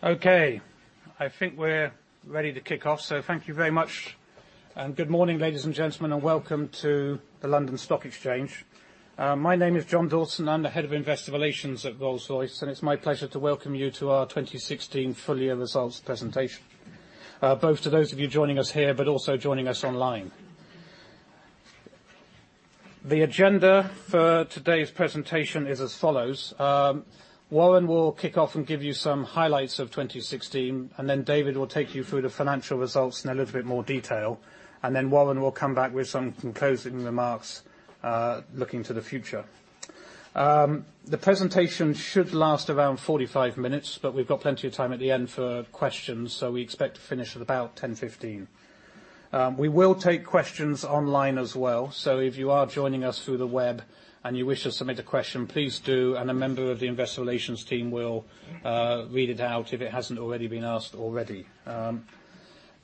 Okay, I think we're ready to kick off. Thank you very much, and good morning, ladies and gentlemen, and welcome to the London Stock Exchange. My name is John Dawson. I am the head of investor relations at Rolls-Royce. It is my pleasure to welcome you to our 2016 full year results presentation, both to those of you joining us here, also joining us online. The agenda for today's presentation is as follows. Warren will kick off and give you some highlights of 2016. David will take you through the financial results in a little bit more detail. Warren will come back with some closing remarks, looking to the future. The presentation should last around 45 minutes. We have got plenty of time at the end for questions. We expect to finish at about 10:15. We will take questions online as well. If you are joining us through the web and you wish to submit a question, please do. A member of the investor relations team will read it out if it has not already been asked already.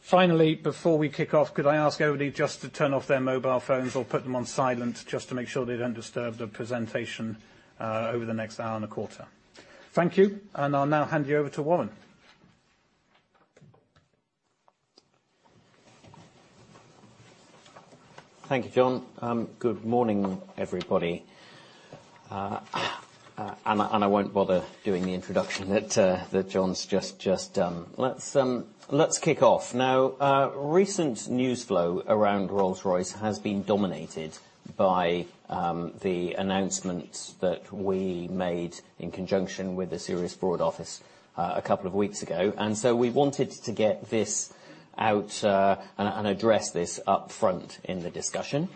Finally, before we kick off, could I ask everybody just to turn off their mobile phones or put them on silent, just to make sure they do not disturb the presentation over the next hour and a quarter. Thank you. I will now hand you over to Warren. Thank you, John. Good morning, everybody. I will not bother doing the introduction that John has just done. Let us kick off. Recent news flow around Rolls-Royce has been dominated by the announcement that we made in conjunction with the Serious Fraud Office a couple of weeks ago. We wanted to get this out and address this upfront in the discussion.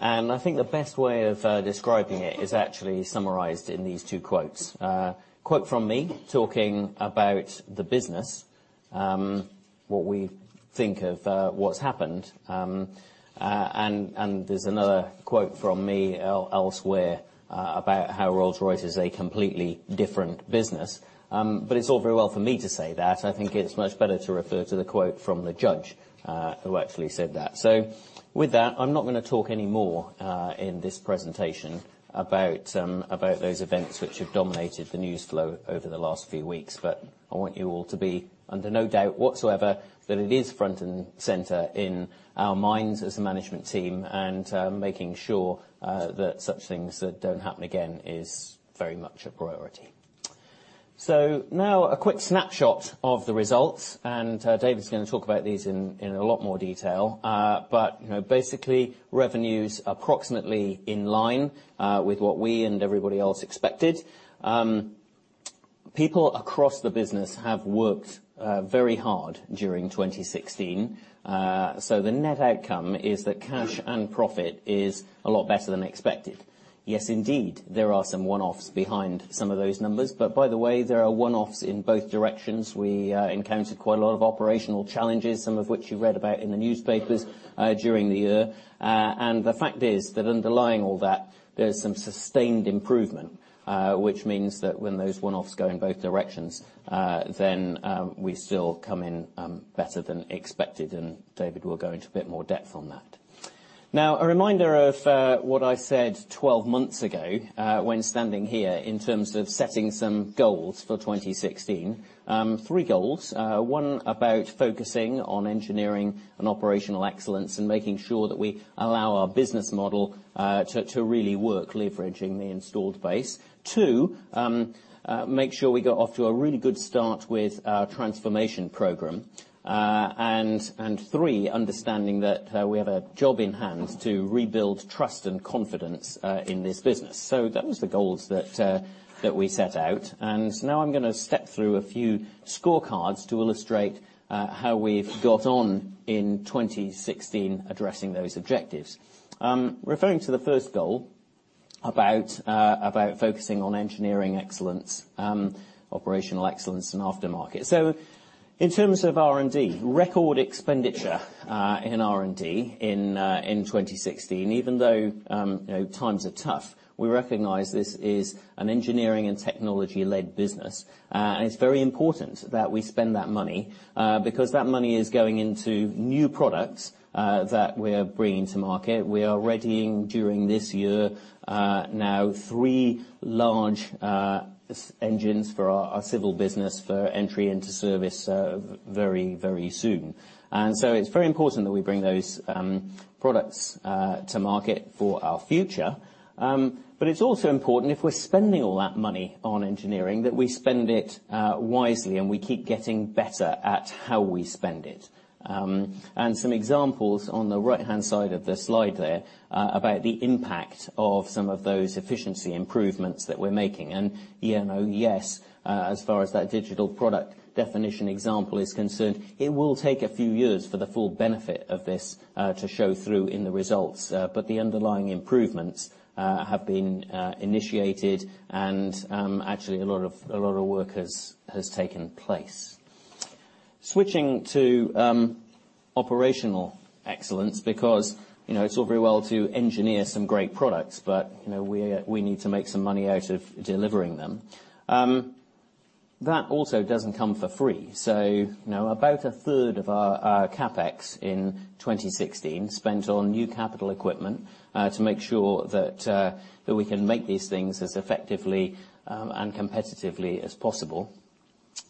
I think the best way of describing it is actually summarized in these two quotes. A quote from me, talking about the business, what we think of what has happened. There is another quote from me elsewhere, about how Rolls-Royce is a completely different business. It is all very well for me to say that. I think it is much better to refer to the quote from the judge who actually said that. With that, I am not going to talk anymore in this presentation about those events which have dominated the news flow over the last few weeks. I want you all to be under no doubt whatsoever that it is front and center in our minds as a management team and making sure that such things do not happen again is very much a priority. Now a quick snapshot of the results. David is going to talk about these in a lot more detail. Basically, revenues approximately in line with what we and everybody else expected. People across the business have worked very hard during 2016. The net outcome is that cash and profit is a lot better than expected. Yes, indeed, there are some one-offs behind some of those numbers. By the way, there are one-offs in both directions. We encountered quite a lot of operational challenges, some of which you read about in the newspapers during the year. The fact is that underlying all that, there's some sustained improvement, which means that when those one-offs go in both directions, then we still come in better than expected, and David will go into a bit more depth on that. A reminder of what I said 12 months ago, when standing here in terms of setting some goals for 2016. Three goals, one about focusing on engineering and operational excellence and making sure that we allow our business model to really work leveraging the installed base. Two, make sure we got off to a really good start with our transformation program. Three, understanding that we have a job in hand to rebuild trust and confidence in this business. Those were the goals that we set out, and now I'm going to step through a few scorecards to illustrate how we've got on in 2016 addressing those objectives. Referring to the first goal about focusing on engineering excellence, operational excellence in aftermarket. In terms of R&D, record expenditure in R&D in 2016. Even though times are tough, we recognize this is an engineering and technology-led business. It's very important that we spend that money, because that money is going into new products that we're bringing to market. We are readying, during this year now, three large engines for our civil business for entry into service very soon. It's very important that we bring those products to market for our future. It's also important if we're spending all that money on engineering, that we spend it wisely, and we keep getting better at how we spend it. Some examples on the right-hand side of the slide there about the impact of some of those efficiency improvements that we're making. EMO, yes, as far as that digital product definition example is concerned, it will take a few years for the full benefit of this to show through in the results. The underlying improvements have been initiated and actually, a lot of work has taken place. Switching to operational excellence because it's all very well to engineer some great products, but we need to make some money out of delivering them. That also doesn't come for free, about a third of our CapEx in 2016 spent on new capital equipment to make sure that we can make these things as effectively and competitively as possible.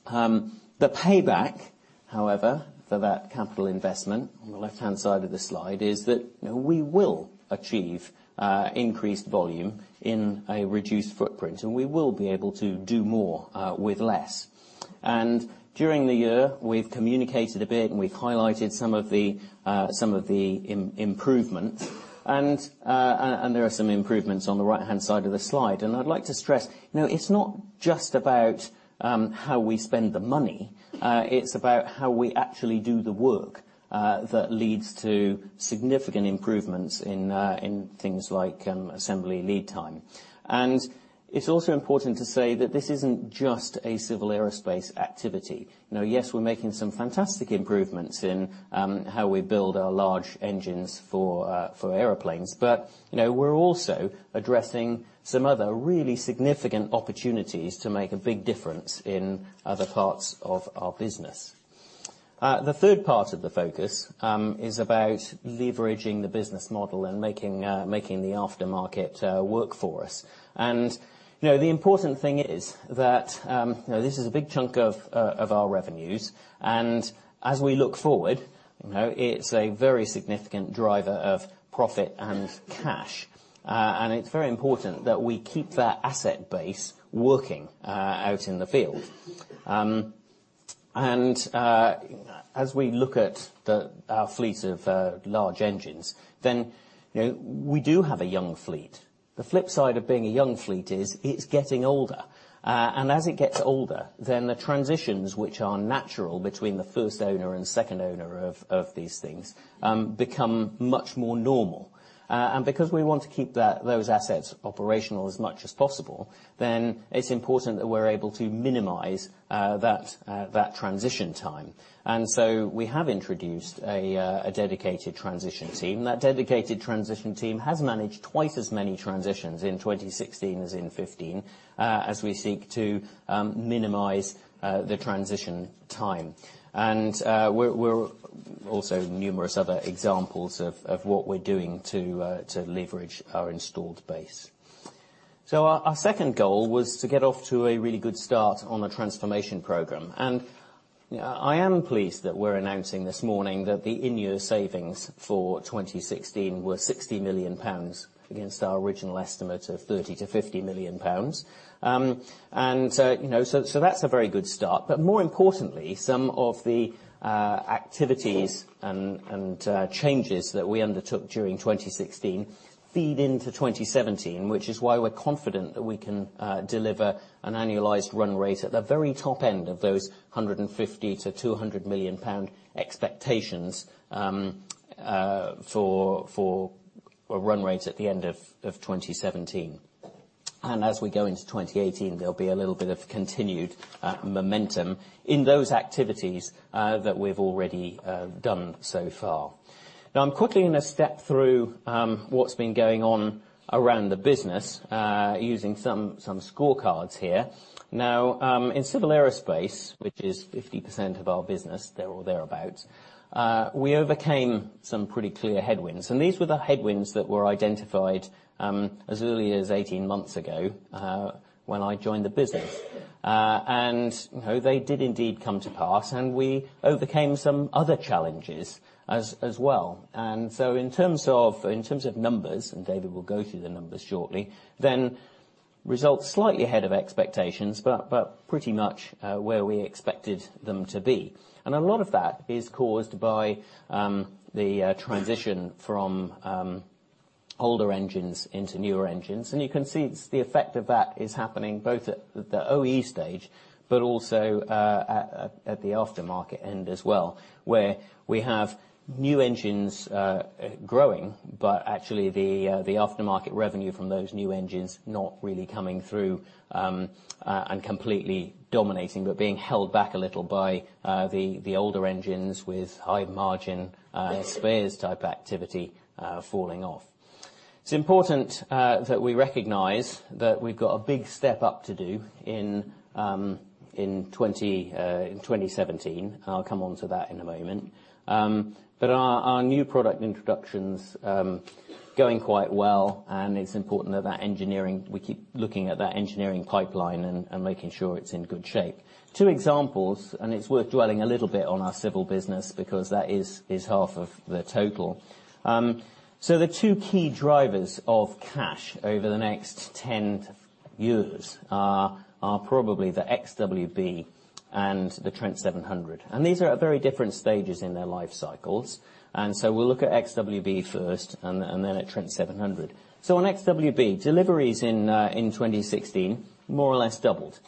The payback, however, for that capital investment, on the left-hand side of the slide, is that we will achieve increased volume in a reduced footprint, and we will be able to do more with less. During the year, we've communicated a bit and we've highlighted some of the improvements, and there are some improvements on the right-hand side of the slide. I'd like to stress, it's not just about how we spend the money, it's about how we actually do the work that leads to significant improvements in things like assembly lead time. It's also important to say that this isn't just a Civil Aerospace activity. Yes, we're making some fantastic improvements in how we build our large engines for airplanes, but we're also addressing some other really significant opportunities to make a big difference in other parts of our business. The third part of the focus is about leveraging the business model and making the aftermarket work for us. The important thing is that this is a big chunk of our revenues, and as we look forward, it's a very significant driver of profit and cash. It's very important that we keep that asset base working out in the field. As we look at our fleet of large engines, we do have a young fleet. The flip side of being a young fleet is it's getting older. As it gets older, the transitions which are natural between the first owner and second owner of these things become much more normal. Because we want to keep those assets operational as much as possible, it's important that we're able to minimize that transition time. We have introduced a dedicated transition team. That dedicated transition team has managed twice as many transitions in 2016 as in 2015 as we seek to minimize the transition time. Also numerous other examples of what we're doing to leverage our installed base. Our second goal was to get off to a really good start on the transformation program. I am pleased that we're announcing this morning that the in-year savings for 2016 were GBP 60 million against our original estimate of GBP 30 million-GBP 50 million. That's a very good start. More importantly, some of the activities and changes that we undertook during 2016 feed into 2017, which is why we're confident that we can deliver an annualized run rate at the very top end of those 150 million-200 million pound expectations for run rates at the end of 2017. As we go into 2018, there'll be a little bit of continued momentum in those activities that we've already done so far. I'm quickly going to step through what's been going on around the business, using some scorecards here. In Civil Aerospace, which is 50% of our business, or thereabout, we overcame some pretty clear headwinds. These were the headwinds that were identified as early as 18 months ago, when I joined the business. They did indeed come to pass, and we overcame some other challenges as well. In terms of numbers, David will go through the numbers shortly, results slightly ahead of expectations, but pretty much where we expected them to be. A lot of that is caused by the transition from older engines into newer engines. You can see the effect of that is happening both at the OE stage, but also at the aftermarket end as well, where we have new engines growing, but actually the aftermarket revenue from those new engines not really coming through and completely dominating, but being held back a little by the older engines with high margin spares type activity falling off. It's important that we recognize that we've got a big step up to do in 2017. I'll come onto that in a moment. Our new product introduction's going quite well. It's important that we keep looking at that engineering pipeline and making sure it's in good shape. Two examples. It's worth dwelling a little bit on our Civil Aerospace business, because that is half of the total. The two key drivers of cash over the next 10 years are probably the XWB and the Trent 700. These are at very different stages in their life cycles. We'll look at XWB first and then at Trent 700. On XWB, deliveries in 2016 more or less doubled.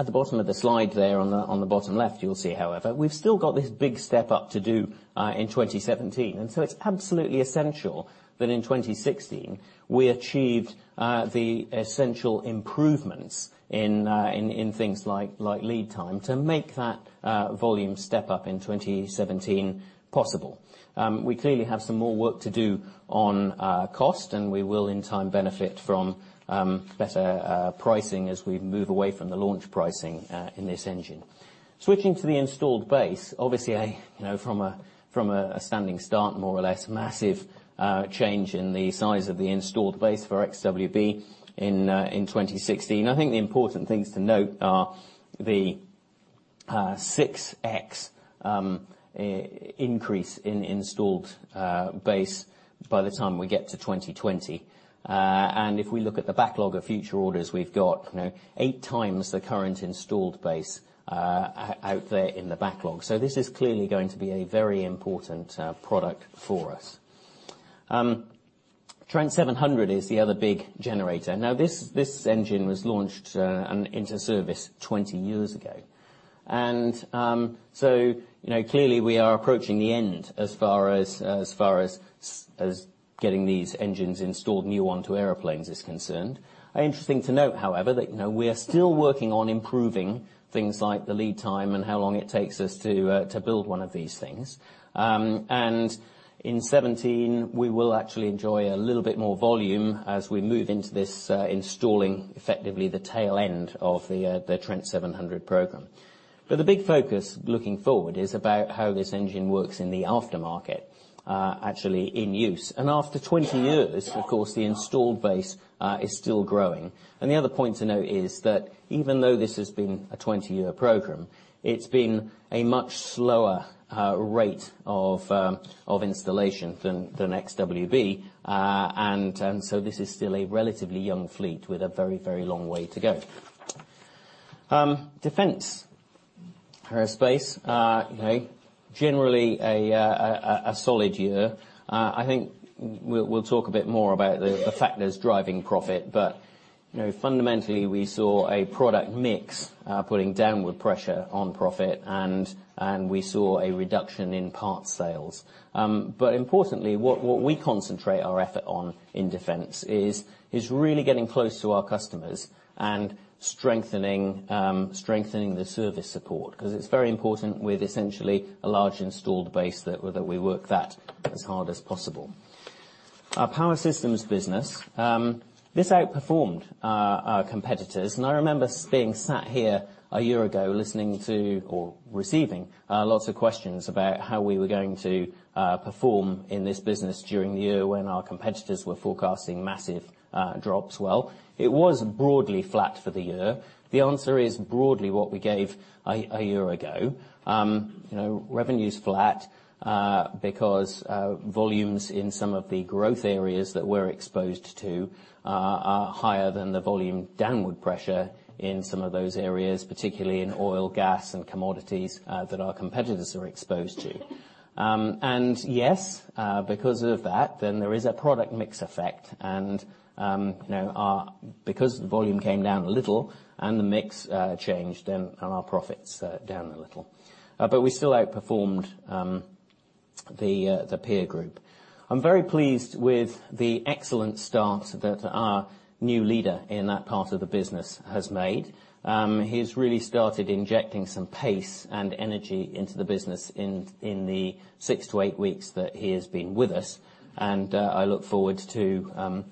At the bottom of the slide there on the bottom left you'll see, however, we've still got this big step up to do in 2017. It's absolutely essential that in 2016 we achieved the essential improvements in things like lead time to make that volume step up in 2017 possible. We clearly have some more work to do on cost. We will in time benefit from better pricing as we move away from the launch pricing in this engine. Switching to the installed base, obviously from a standing start, more or less, massive change in the size of the installed base for XWB in 2016. I think the important things to note are the 6x increase in installed base by the time we get to 2020. If we look at the backlog of future orders, we've got eight times the current installed base out there in the backlog. This is clearly going to be a very important product for us. Trent 700 is the other big generator. This engine was launched into service 20 years ago. Clearly we are approaching the end as far as getting these engines installed new onto airplanes is concerned. Interesting to note, however, that we are still working on improving things like the lead time and how long it takes us to build one of these things. In 2017, we will actually enjoy a little bit more volume as we move into this installing, effectively the tail end of the Trent 700 program. The big focus looking forward is about how this engine works in the aftermarket, actually in use. After 20 years, of course, the installed base is still growing. The other point to note is that even though this has been a 20-year program, it's been a much slower rate of installation than XWB. This is still a relatively young fleet with a very, very long way to go. Defence Aerospace, generally a solid year. I think we'll talk a bit more about the factors driving profit. Fundamentally, we saw a product mix putting downward pressure on profit. We saw a reduction in parts sales. Importantly, what we concentrate our effort on in Defence is really getting close to our customers and strengthening the service support, because it's very important with essentially a large installed base that we work that as hard as possible. Our Power Systems business. This outperformed our competitors. I remember being sat here a year ago, listening to or receiving lots of questions about how we were going to perform in this business during the year when our competitors were forecasting massive drops. It was broadly flat for the year. The answer is broadly what we gave a year ago. Revenue is flat because volumes in some of the growth areas that we're exposed to are higher than the volume downward pressure in some of those areas, particularly in oil, gas, and commodities that our competitors are exposed to. Because of that, there is a product mix effect because the volume came down a little the mix changed, and our profit is down a little. We still outperformed the peer group. I'm very pleased with the excellent start that our new leader in that part of the business has made. He's really started injecting some pace and energy into the business in the six to eight weeks that he has been with us. I look forward to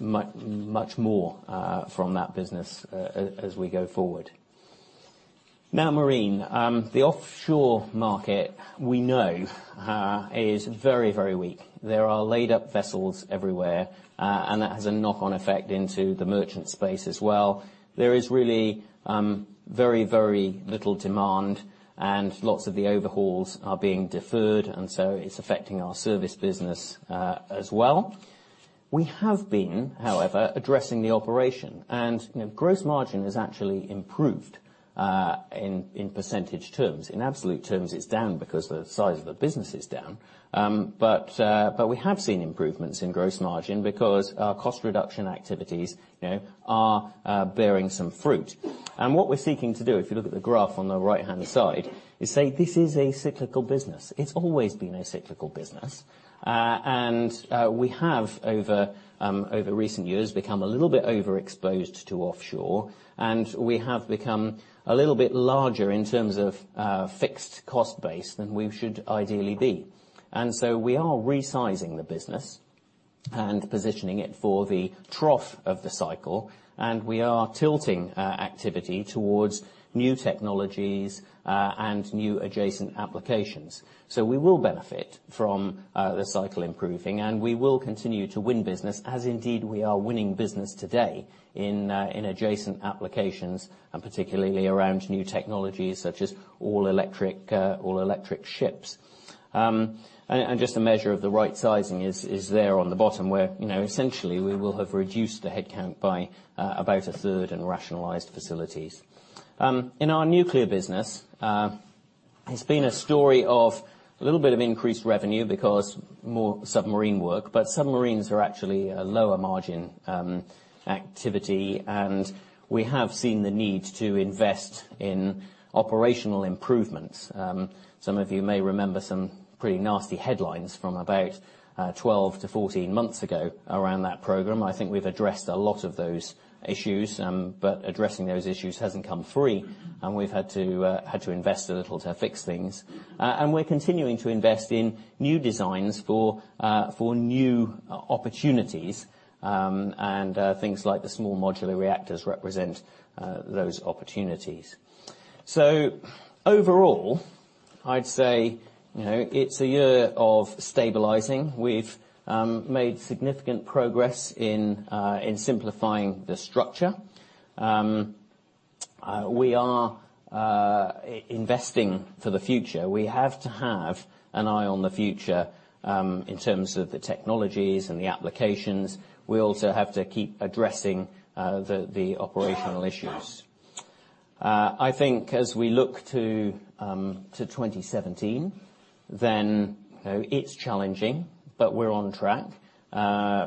much more from that business as we go forward. Marine. The offshore market we know is very, very weak. There are laid-up vessels everywhere. That has a knock-on effect into the merchant space as well. There is really very, very little demand. Lots of the overhauls are being deferred, so it's affecting our service business as well. We have been, however, addressing the operation. Gross margin has actually improved, in percentage terms. In absolute terms, it's down because the size of the business is down. We have seen improvements in gross margin because our cost reduction activities are bearing some fruit. What we're seeking to do, if you look at the graph on the right-hand side, is say, this is a cyclical business. It's always been a cyclical business. We have, over recent years, become a little bit overexposed to offshore. We have become a little bit larger in terms of fixed cost base than we should ideally be. We are resizing the business and positioning it for the trough of the cycle. We are tilting activity towards new technologies and new adjacent applications. We will benefit from the cycle improving. We will continue to win business, as indeed we are winning business today in adjacent applications, particularly around new technologies such as all-electric ships. Just a measure of the right sizing is there on the bottom where essentially we will have reduced the headcount by about a third and rationalized facilities. In our Nuclear business, it's been a story of a little bit of increased revenue because more submarine work. Submarines are actually a lower margin activity. We have seen the need to invest in operational improvements. Some of you may remember some pretty nasty headlines from about 12 to 14 months ago around that program. I think we've addressed a lot of those issues. Addressing those issues hasn't come free. We've had to invest a little to fix things. We're continuing to invest in new designs for new opportunities. Things like the small modular reactors represent those opportunities. Overall I'd say it's a year of stabilizing. We've made significant progress in simplifying the structure. We are investing for the future. We have to have an eye on the future in terms of the technologies and the applications. We also have to keep addressing the operational issues. I think as we look to 2017, it's challenging, but we're on track.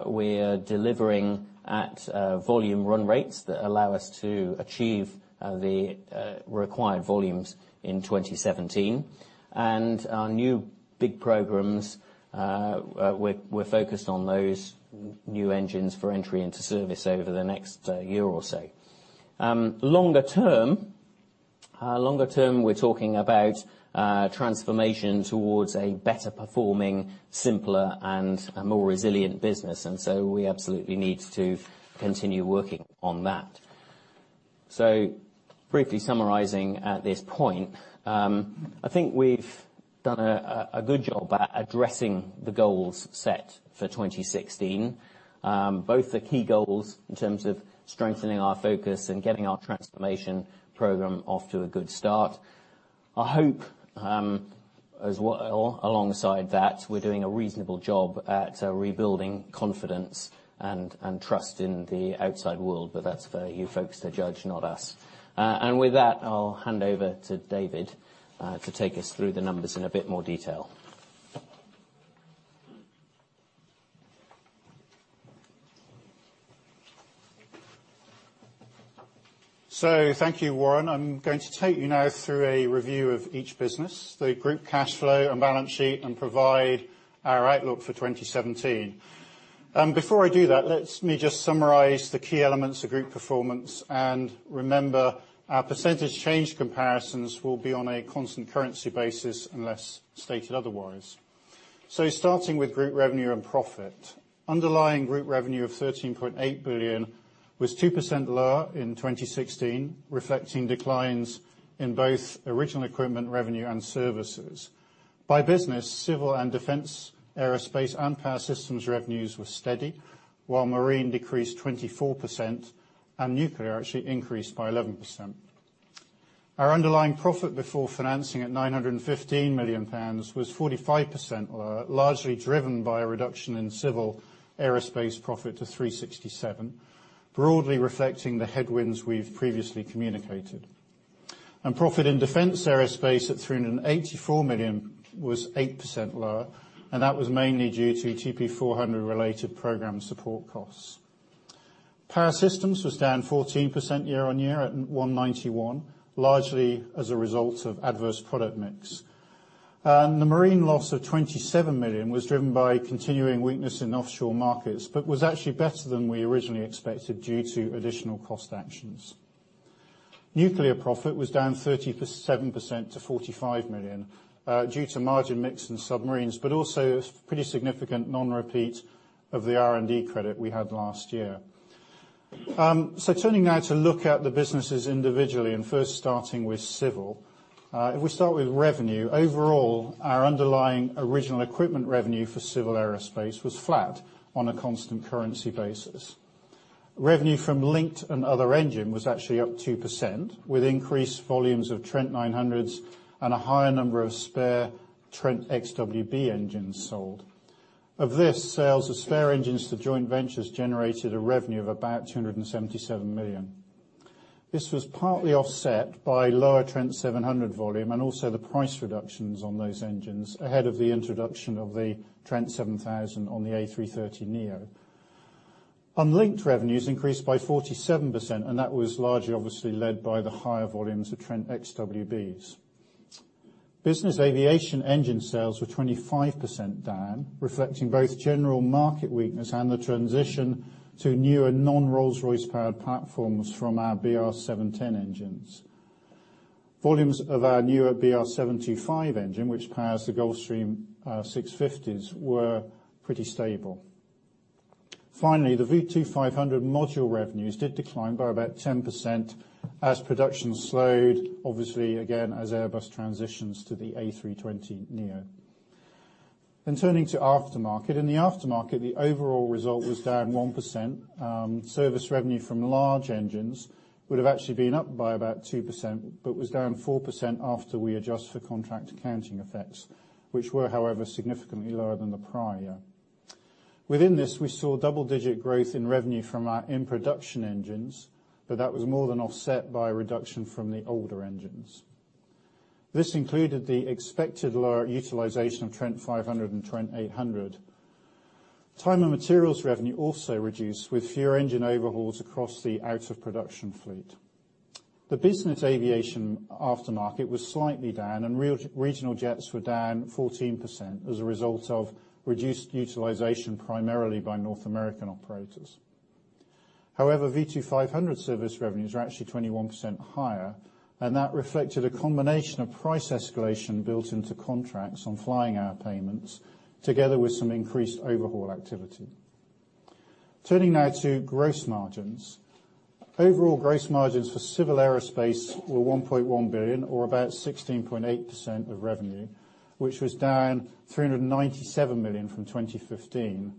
We are delivering at volume run rates that allow us to achieve the required volumes in 2017. Our new big programs, we're focused on those new engines for entry into service over the next year or so. Longer term, we're talking about transformation towards a better performing, simpler, and a more resilient business. We absolutely need to continue working on that. Briefly summarizing at this point, I think we've done a good job at addressing the goals set for 2016. Both the key goals in terms of strengthening our focus and getting our transformation program off to a good start. I hope, alongside that, we're doing a reasonable job at rebuilding confidence and trust in the outside world, but that's for you folks to judge, not us. With that, I'll hand over to David to take us through the numbers in a bit more detail. Thank you, Warren. I'm going to take you now through a review of each business, the group cash flow and balance sheet, and provide our outlook for 2017. Before I do that, let me just summarize the key elements of group performance. Remember, our percentage change comparisons will be on a constant currency basis unless stated otherwise. Starting with group revenue and profit. Underlying group revenue of 13.8 billion was 2% lower in 2016, reflecting declines in both original equipment revenue and services. By business, Civil Aerospace, Defence Aerospace, and Power Systems revenues were steady, while Marine decreased 24% and Nuclear actually increased by 11%. Our underlying profit before financing at 915 million pounds was 45% lower, largely driven by a reduction in Civil Aerospace profit to 367 million, broadly reflecting the headwinds we've previously communicated. Profit in Defence Aerospace at 384 million was 8% lower, and that was mainly due to TP400 related program support costs. Power Systems was down 14% year-on-year at 191 million, largely as a result of adverse product mix. The Marine loss of 27 million was driven by continuing weakness in offshore markets, but was actually better than we originally expected due to additional cost actions. Nuclear profit was down 37% to 45 million, due to margin mix in submarines, but also a pretty significant non-repeat of the R&D credit we had last year. Turning now to look at the businesses individually and first starting with Civil. If we start with revenue, overall, our underlying original equipment revenue for Civil Aerospace was flat on a constant currency basis. Revenue from linked and other engine was actually up 2%, with increased volumes of Trent 900s and a higher number of spare Trent XWB engines sold. Of this, sales of spare engines to joint ventures generated a revenue of about 277 million. This was partly offset by lower Trent 700 volume and also the price reductions on those engines ahead of the introduction of the Trent 7000 on the A330neo. Linked revenues increased by 47%, and that was largely obviously led by the higher volumes of Trent XWBs. Business aviation engine sales were 25% down, reflecting both general market weakness and the transition to newer non-Rolls-Royce powered platforms from our BR710 engines. Volumes of our newer BR725 engine, which powers the Gulfstream G650s, were pretty stable. Finally, the V2500 module revenues did decline by about 10% as production slowed, obviously, again, as Airbus transitions to the A320neo. Turning to aftermarket. In the aftermarket, the overall result was down 1%. Service revenue from large engines would have actually been up by about 2%, but was down 4% after we adjust for contract accounting effects, which were, however, significantly lower than the prior year. Within this, we saw double-digit growth in revenue from our in-production engines, but that was more than offset by a reduction from the older engines. This included the expected lower utilization of Trent 500 and Trent 800. Time and materials revenue also reduced with fewer engine overhauls across the out-of-production fleet. The business aviation aftermarket was slightly down, and regional jets were down 14% as a result of reduced utilization, primarily by North American operators. However, V2500 service revenues are actually 21% higher, and that reflected a combination of price escalation built into contracts on flying hour payments, together with some increased overhaul activity. Turning now to gross margins. Overall gross margins for Civil Aerospace were 1.1 billion, or about 16.8% of revenue, which was down 397 million from 2015.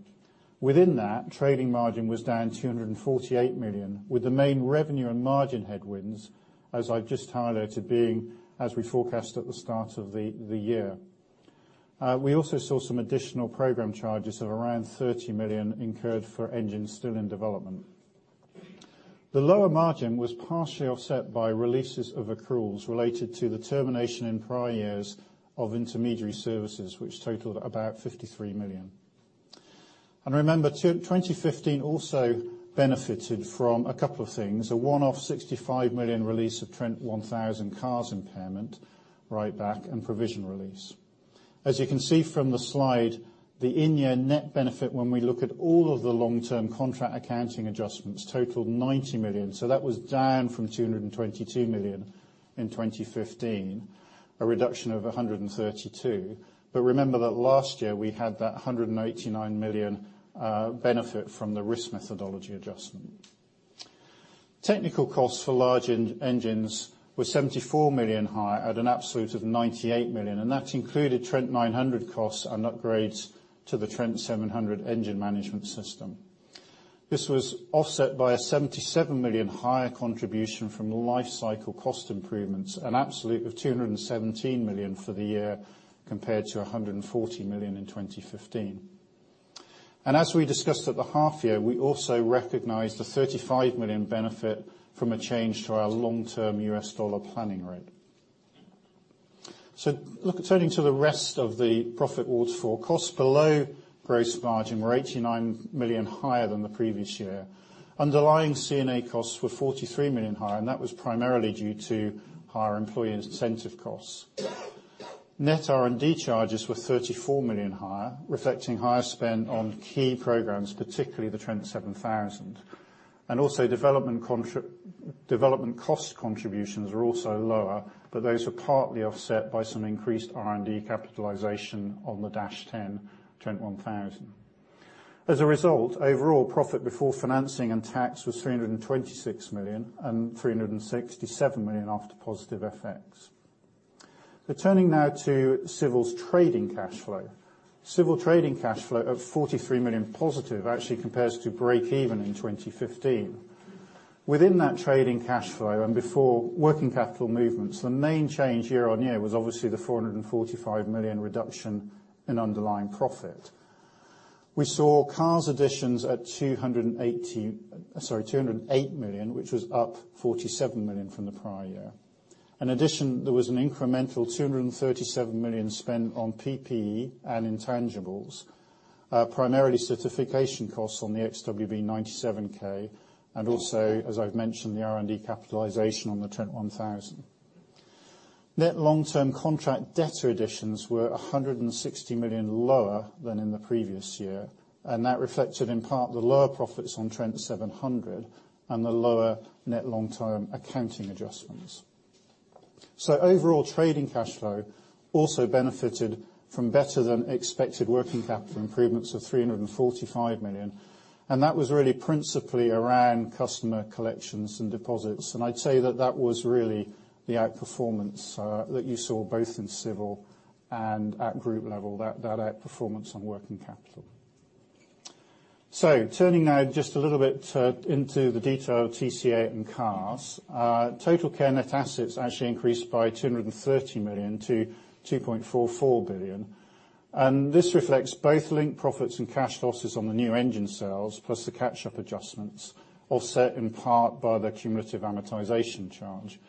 Within that, trading margin was down 248 million, with the main revenue and margin headwinds, as I've just highlighted, being as we forecast at the start of the year. We also saw some additional program charges of around 30 million incurred for engines still in development. The lower margin was partially offset by releases of accruals related to the termination in prior years of intermediary services, which totaled about 53 million. Remember, 2015 also benefited from a couple of things, a one-off 65 million release of Trent 1000 CARS impairment write-back and provision release. As you can see from the slide, the in-year net benefit when we look at all of the long-term contract accounting adjustments totaled 90 million. That was down from 222 million in 2015, a reduction of 132 million. Remember that last year we had that 189 million benefit from the risk methodology adjustment. Technical costs for large engines were 74 million high at an absolute of 98 million, and that included Trent 900 costs and upgrades to the Trent 700 engine management system. This was offset by a 77 million higher contribution from life cycle cost improvements, an absolute of 217 million for the year, compared to 140 million in 2015. As we discussed at the half year, we also recognized the $35 million benefit from a change to our long-term US dollar planning rate. Turning to the rest of the profit waterfall, costs below gross margin were 89 million higher than the previous year. Underlying C&A costs were 43 million higher, and that was primarily due to higher employee incentive costs. Net R&D charges were 34 million higher, reflecting higher spend on key programs, particularly the Trent 7000. Development cost contributions were also lower, but those were partly offset by some increased R&D capitalization on the Dash 10, Trent 1000. Overall profit before financing and tax was 326 million and 367 million after positive FX. Turning now to Civil trading cash flow. Civil trading cash flow of 43 million positive actually compares to break even in 2015. Within that trading cash flow and before working capital movements, the main change year-over-year was obviously the 445 million reduction in underlying profit. We saw CARS additions at 208 million, which was up 47 million from the prior year. There was an incremental 237 million spent on PPE and intangibles, primarily certification costs on the XWB-97K and also, as I've mentioned, the R&D capitalization on the Trent 1000. Net long-term contract debtor additions were 160 million lower than in the previous year, and that reflected in part the lower profits on Trent 700 and the lower net long-term accounting adjustments. Overall trading cash flow also benefited from better than expected working capital improvements of 345 million. That was really principally around customer collections and deposits. I'd say that that was really the outperformance that you saw both in Civil and at group level, that outperformance on working capital. Turning now just a little bit into the detail of TCA and CARS. TotalCare net assets actually increased by 230 million to 2.44 billion. This reflects both linked profits and cash losses on the new engine sales, plus the catch-up adjustments, offset in part by the cumulative amortization charge.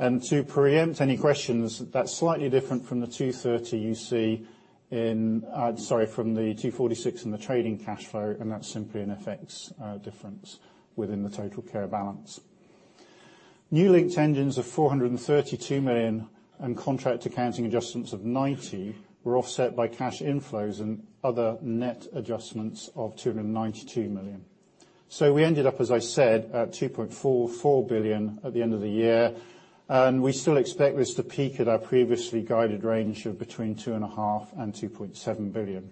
To preempt any questions, that's slightly different from the 230 you see in Sorry, from the 246 in the trading cash flow, and that's simply an FX difference within the TotalCare balance. New linked engines of 432 million and contract accounting adjustments of 90 were offset by cash inflows and other net adjustments of 292 million. We ended up, as I said, at 2.44 billion at the end of the year, and we still expect this to peak at our previously guided range of between 2.5 billion and 2.7 billion.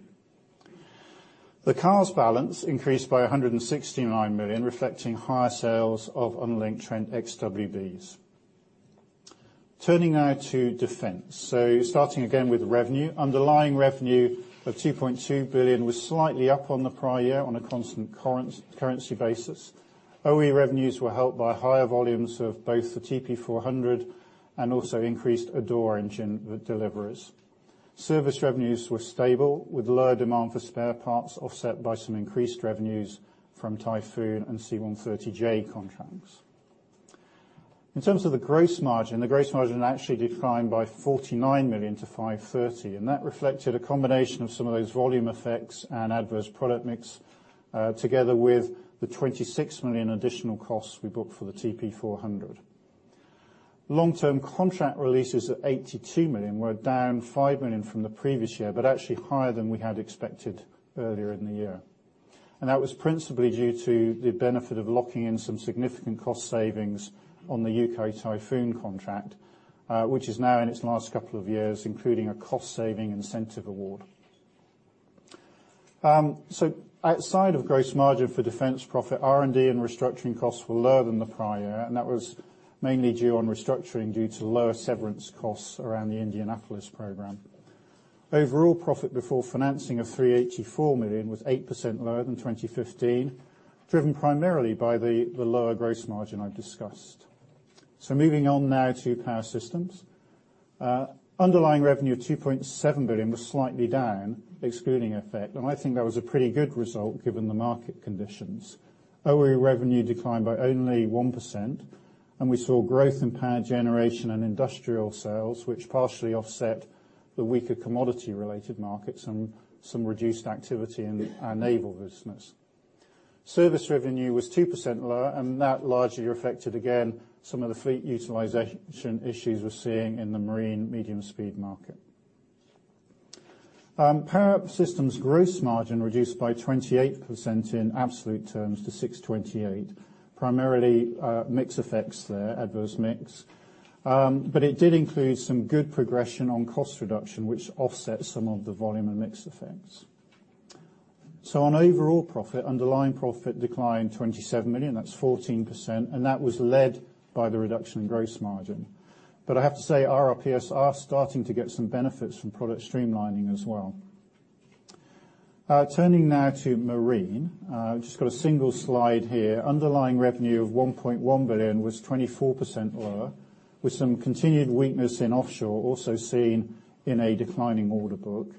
The CARS balance increased by 169 million, reflecting higher sales of unlinked Trent XWBs. Turning now to Defence. Starting again with revenue. Underlying revenue of 2.2 billion was slightly up on the prior year on a constant currency basis. OE revenues were helped by higher volumes of both the TP400 and also increased Adour engine deliveries. Service revenues were stable, with lower demand for spare parts offset by some increased revenues from Typhoon and C-130J contracts. In terms of the gross margin, the gross margin actually declined by 49 million to 530 million, and that reflected a combination of some of those volume effects and adverse product mix, together with the 26 million additional costs we booked for the TP400. Long-term contract releases at 82 million were down 5 million from the previous year, but actually higher than we had expected earlier in the year. That was principally due to the benefit of locking in some significant cost savings on the U.K. Typhoon contract, which is now in its last couple of years, including a cost-saving incentive award. Outside of gross margin for Defence profit, R&D and restructuring costs were lower than the prior year, and that was mainly due on restructuring due to lower severance costs around the Indianapolis program. Overall profit before financing of 384 million was 8% lower than 2015, driven primarily by the lower gross margin I've discussed. Moving on now to Power Systems. Underlying revenue of 2.7 billion was slightly down, excluding FX, and I think that was a pretty good result given the market conditions. OE revenue declined by only 1%, and we saw growth in power generation and industrial sales, which partially offset the weaker commodity related markets and some reduced activity in our Marine business. Service revenue was 2% lower, and that largely affected, again, some of the fleet utilization issues we're seeing in the Marine medium speed market. Power Systems gross margin reduced by 28% in absolute terms to 628 million, primarily mix effects there, adverse mix. It did include some good progression on cost reduction, which offset some of the volume and mix effects. On overall profit, underlying profit declined 27 million, that's 14%, and that was led by the reduction in gross margin. I have to say, RRPS are starting to get some benefits from product streamlining as well. Turning now to Marine. Just got a single slide here. Underlying revenue of 1.1 billion was 24% lower, with some continued weakness in offshore, also seen in a declining order book.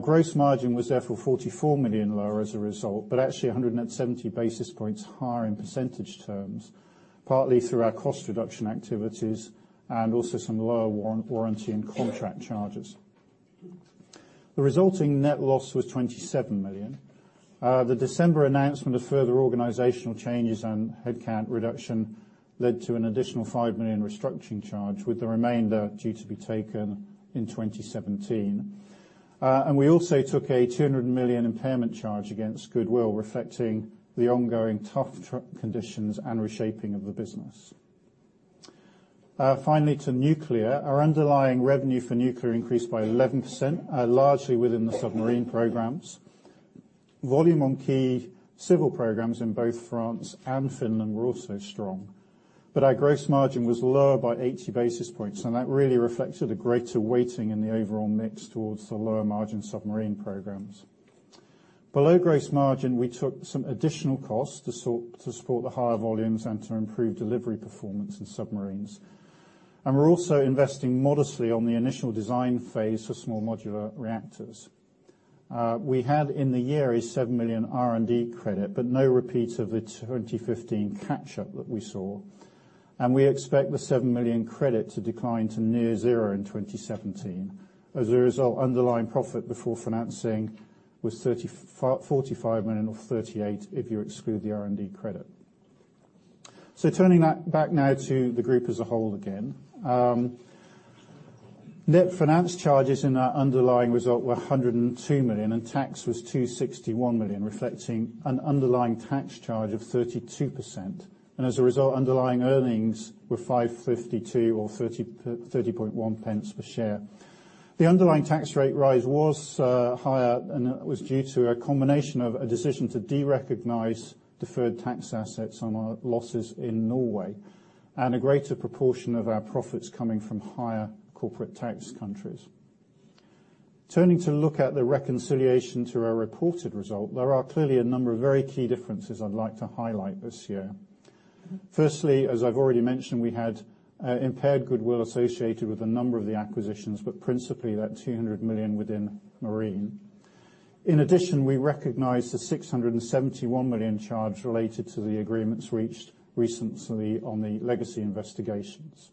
Gross margin was therefore 44 million lower as a result, but actually 170 basis points higher in percentage terms, partly through our cost reduction activities and also some lower warranty and contract charges. The resulting net loss was 27 million. The December announcement of further organizational changes and headcount reduction led to an additional 5 million restructuring charge, with the remainder due to be taken in 2017. We also took a 200 million impairment charge against goodwill, reflecting the ongoing tough conditions and reshaping of the business. Finally, to Nuclear. Our underlying revenue for Nuclear increased by 11%, largely within the submarine programs. Volume on key civil programs in both France and Finland were also strong. Our gross margin was lower by 80 basis points, and that really reflected a greater weighting in the overall mix towards the lower margin submarine programs. Below gross margin, we took some additional costs to support the higher volumes and to improve delivery performance in submarines. We're also investing modestly on the initial design phase for small modular reactors. We had in the year a 7 million R&D credit, no repeat of the 2015 catch-up that we saw. We expect the 7 million credit to decline to near zero in 2017. As a result, underlying profit before financing was 45 million, or 38 million if you exclude the R&D credit. Turning that back now to the group as a whole again. Net finance charges in our underlying result were 102 million, tax was 261 million, reflecting an underlying tax charge of 32%. As a result, underlying earnings were 552 or 0.301 per share. The underlying tax rate rise was higher. It was due to a combination of a decision to derecognize deferred tax assets on our losses in Norway, and a greater proportion of our profits coming from higher corporate tax countries. To look at the reconciliation to our reported result, there are clearly a number of very key differences I'd like to highlight this year. As I've already mentioned, we had impaired goodwill associated with a number of the acquisitions, but principally that 200 million within Marine. In addition, we recognized the 671 million charge related to the agreements reached recently on the legacy investigations.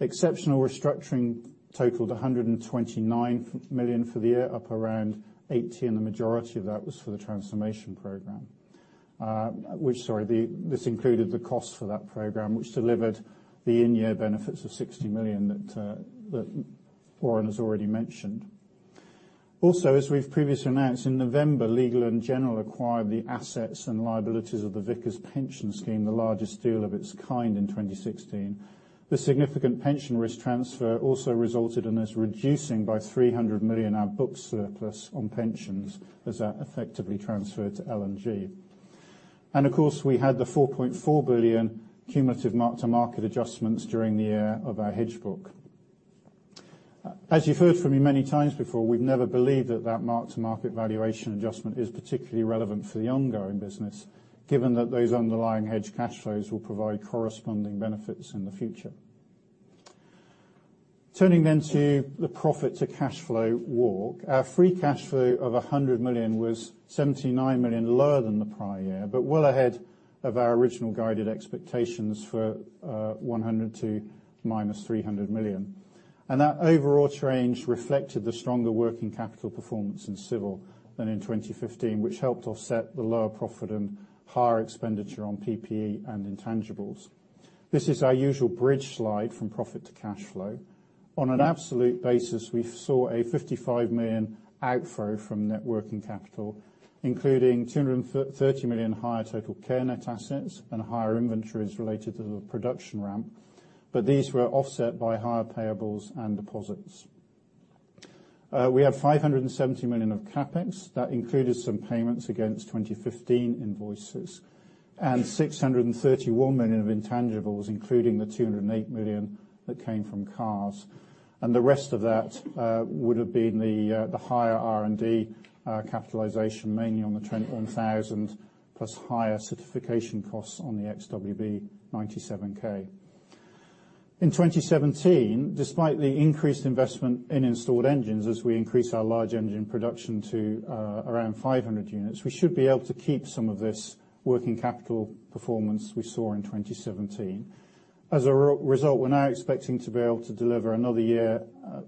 Exceptional restructuring totaled 129 million for the year, up around 80, and the majority of that was for the transformation program. This included the cost for that program, which delivered the in-year benefits of 60 million that Warren has already mentioned. Also, as we've previously announced, in November, Legal & General acquired the assets and liabilities of the Vickers pension scheme, the largest deal of its kind in 2016. The significant pension risk transfer also resulted in us reducing by 300 million our book surplus on pensions, as that effectively transferred to L&G. Of course, we had the 4.4 billion cumulative mark-to-market adjustments during the year of our hedge book. You've heard from me many times before, we've never believed that that mark-to-market valuation adjustment is particularly relevant for the ongoing business, given that those underlying hedge cash flows will provide corresponding benefits in the future. To the profit to cash flow walk. Our free cash flow of 100 million was 79 million lower than the prior year, but well ahead of our original guided expectations for 100 million to minus 300 million. That overall change reflected the stronger working capital performance in Civil Aerospace than in 2015, which helped offset the lower profit and higher expenditure on PPE and intangibles. This is our usual bridge slide from profit to cash flow. On an absolute basis, we saw a 55 million outflow from net working capital, including 230 million higher TotalCare net assets and higher inventories related to the production ramp, but these were offset by higher payables and deposits. We have 570 million of CapEx that included some payments against 2015 invoices, and 631 million of intangibles, including the 208 million that came from CARS. The rest of that would've been the higher R&D capitalization, mainly on the Trent 1000, plus higher certification costs on the Trent XWB-97. In 2017, despite the increased investment in installed engines as we increase our large engine production to around 500 units, we should be able to keep some of this working capital performance we saw in 2017. As a result, we're now expecting to be able to deliver another year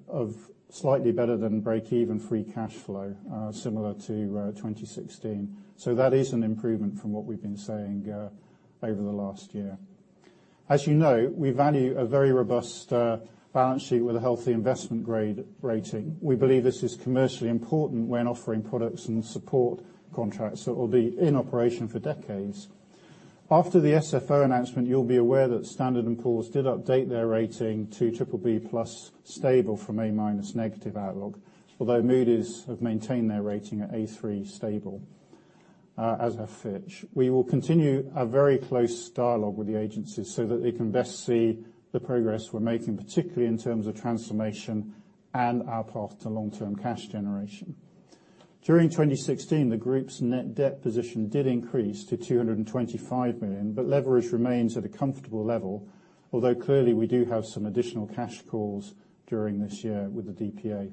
of slightly better than break even free cash flow, similar to 2016. That is an improvement from what we've been saying over the last year. You know, we value a very robust balance sheet with a healthy investment grade rating. We believe this is commercially important when offering products and support contracts that will be in operation for decades. After the SFO announcement, you will be aware that Standard & Poor's did update their rating to BBB+ stable from A- negative outlook. Although Moody's have maintained their rating at A3 stable, as have Fitch. We will continue a very close dialogue with the agencies so that they can best see the progress we are making, particularly in terms of transformation and our path to long-term cash generation. During 2016, the group's net debt position did increase to 225 million, but leverage remains at a comfortable level, although clearly we do have some additional cash calls during this year with the DPA.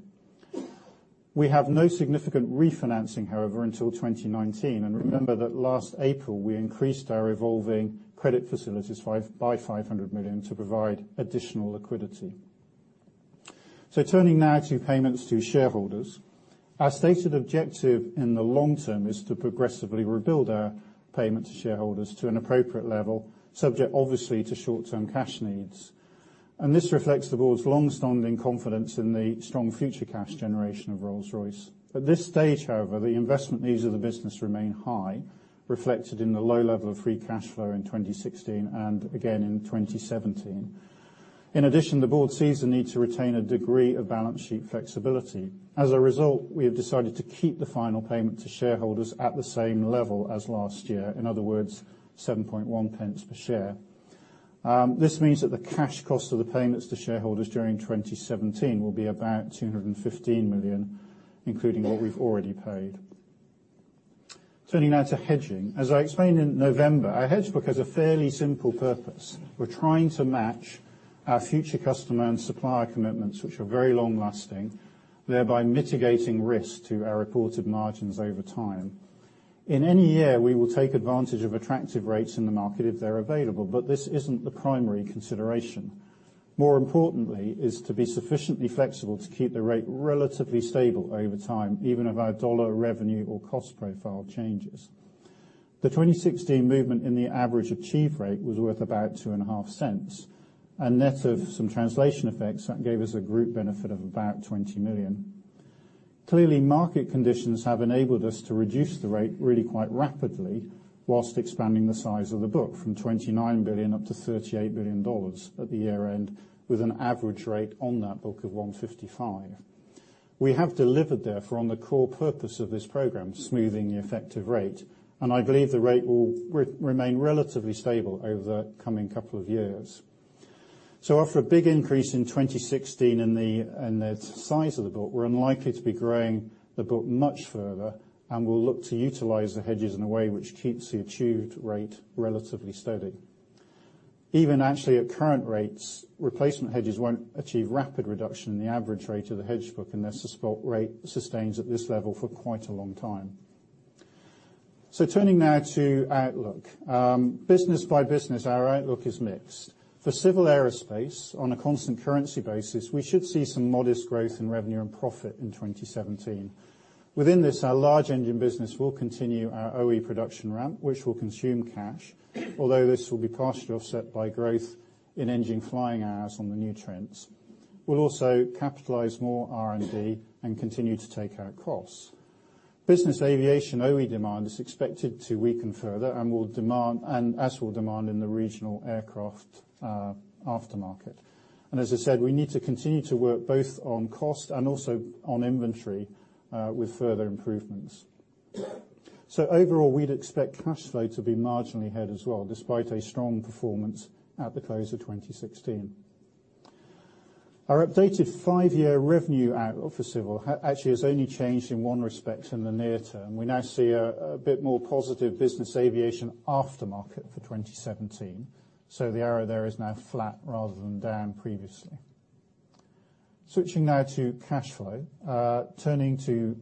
We have no significant refinancing, however, until 2019. Remember that last April, we increased our revolving credit facilities by 500 million to provide additional liquidity. Turning now to payments to shareholders. Our stated objective in the long term is to progressively rebuild our payment to shareholders to an appropriate level, subject obviously to short-term cash needs. This reflects the board's longstanding confidence in the strong future cash generation of Rolls-Royce. At this stage, however, the investment needs of the business remain high, reflected in the low level of free cash flow in 2016 and again in 2017. In addition, the board sees a need to retain a degree of balance sheet flexibility. As a result, we have decided to keep the final payment to shareholders at the same level as last year. In other words, 0.071 per share. This means that the cash cost of the payments to shareholders during 2017 will be about 215 million, including what we have already paid. Turning now to hedging. As I explained in November, our hedge book has a fairly simple purpose. We are trying to match our future customer and supplier commitments, which are very long-lasting, thereby mitigating risk to our reported margins over time. In any year, we will take advantage of attractive rates in the market if they are available, but this is not the primary consideration. More importantly is to be sufficiently flexible to keep the rate relatively stable over time, even if our dollar revenue or cost profile changes. The 2016 movement in the average achieved rate was worth about 0.025, and net of some translation effects, that gave us a group benefit of about 20 million. Clearly, market conditions have enabled us to reduce the rate really quite rapidly while expanding the size of the book from $29 billion up to $38 billion at the year-end, with an average rate on that book of 155. We have delivered, therefore, on the core purpose of this program, smoothing the effective rate, I believe the rate will remain relatively stable over the coming couple of years. After a big increase in 2016 in the size of the book, we are unlikely to be growing the book much further, and we will look to utilize the hedges in a way which keeps the achieved rate relatively steady. Even actually at current rates, replacement hedges will not achieve rapid reduction in the average rate of the hedge book, unless the spot rate sustains at this level for quite a long time. Turning now to outlook. Business by business, our outlook is mixed. For Civil Aerospace, on a constant currency basis, we should see some modest growth in revenue and profit in 2017. Within this, our large engine business will continue our OE production ramp, which will consume cash, although this will be partially offset by growth in engine flying hours on the new Trents. We'll also capitalize more R&D and continue to take out costs. Business aviation OE demand is expected to weaken further as will demand in the regional aircraft aftermarket. As I said, we need to continue to work both on cost and also on inventory, with further improvements. Overall, we'd expect cash flow to be marginally ahead as well, despite a strong performance at the close of 2016. Our updated five-year revenue out for Civil Aerospace actually has only changed in one respect in the near term. We now see a bit more positive business aviation aftermarket for 2017, so the arrow there is now flat rather than down previously. Switching now to cash flow. Turning to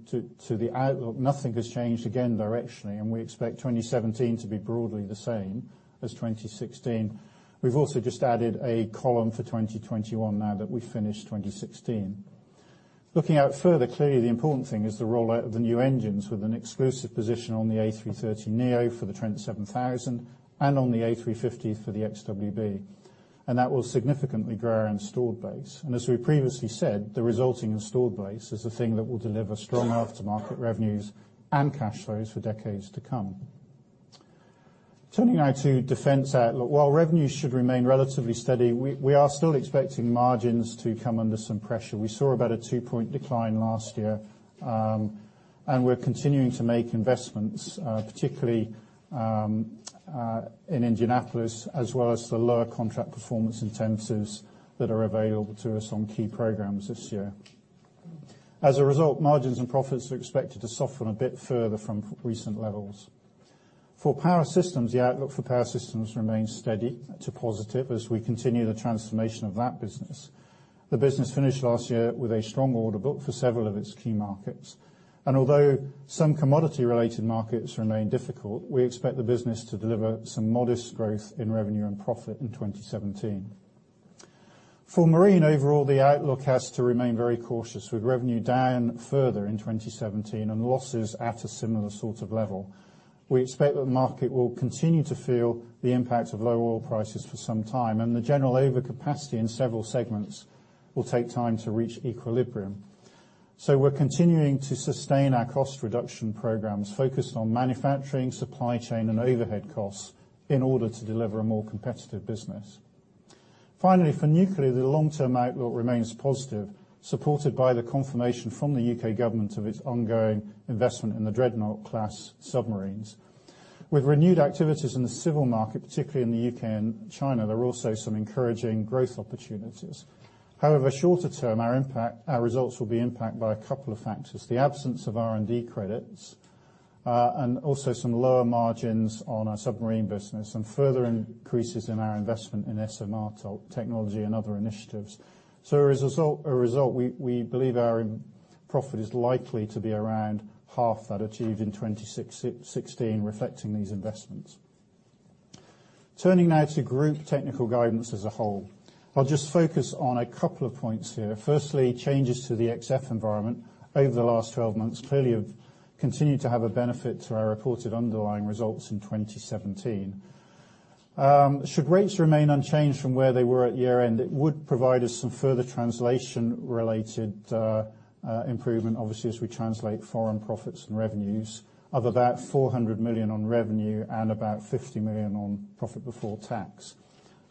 the outlook, nothing has changed again directionally, we expect 2017 to be broadly the same as 2016. We've also just added a column for 2021 now that we've finished 2016. Looking out further clearly, the important thing is the rollout of the new engines with an exclusive position on the A330neo for the Trent 7000 and on the A350 for the XWB. That will significantly grow our installed base. As we previously said, the resulting installed base is the thing that will deliver strong aftermarket revenues and cash flows for decades to come. Turning now to Defence Aerospace outlook. While revenues should remain relatively steady, we are still expecting margins to come under some pressure. We saw about a two-point decline last year, we're continuing to make investments, particularly in Indianapolis, as well as the lower contract performance incentives that are available to us on key programs this year. As a result, margins and profits are expected to soften a bit further from recent levels. For Power Systems, the outlook for Power Systems remains steady to positive as we continue the transformation of that business. The business finished last year with a strong order book for several of its key markets. Although some commodity-related markets remain difficult, we expect the business to deliver some modest growth in revenue and profit in 2017. For Marine, overall, the outlook has to remain very cautious, with revenue down further in 2017 and losses at a similar sort of level. We expect that the market will continue to feel the impact of low oil prices for some time, the general overcapacity in several segments will take time to reach equilibrium. We're continuing to sustain our cost reduction programs focused on manufacturing, supply chain, and overhead costs in order to deliver a more competitive business. Finally, for Nuclear, the long-term outlook remains positive, supported by the confirmation from the U.K. government of its ongoing investment in the Dreadnought-class submarines. With renewed activities in the Civil Aerospace market, particularly in the U.K. and China, there are also some encouraging growth opportunities. However, shorter term, our results will be impacted by a couple of factors: the absence of R&D credits, and also some lower margins on our submarine business and further increases in our investment in SMR technology and other initiatives. As a result, we believe our profit is likely to be around half that achieved in 2016, reflecting these investments. Turning now to group technical guidance as a whole. I will just focus on a couple of points here. Firstly, changes to the FX environment over the last 12 months clearly have continued to have a benefit to our reported underlying results in 2017. Should rates remain unchanged from where they were at year-end, it would provide us some further translation-related improvement, obviously, as we translate foreign profits and revenues, of about 400 million on revenue and about 50 million on profit before tax,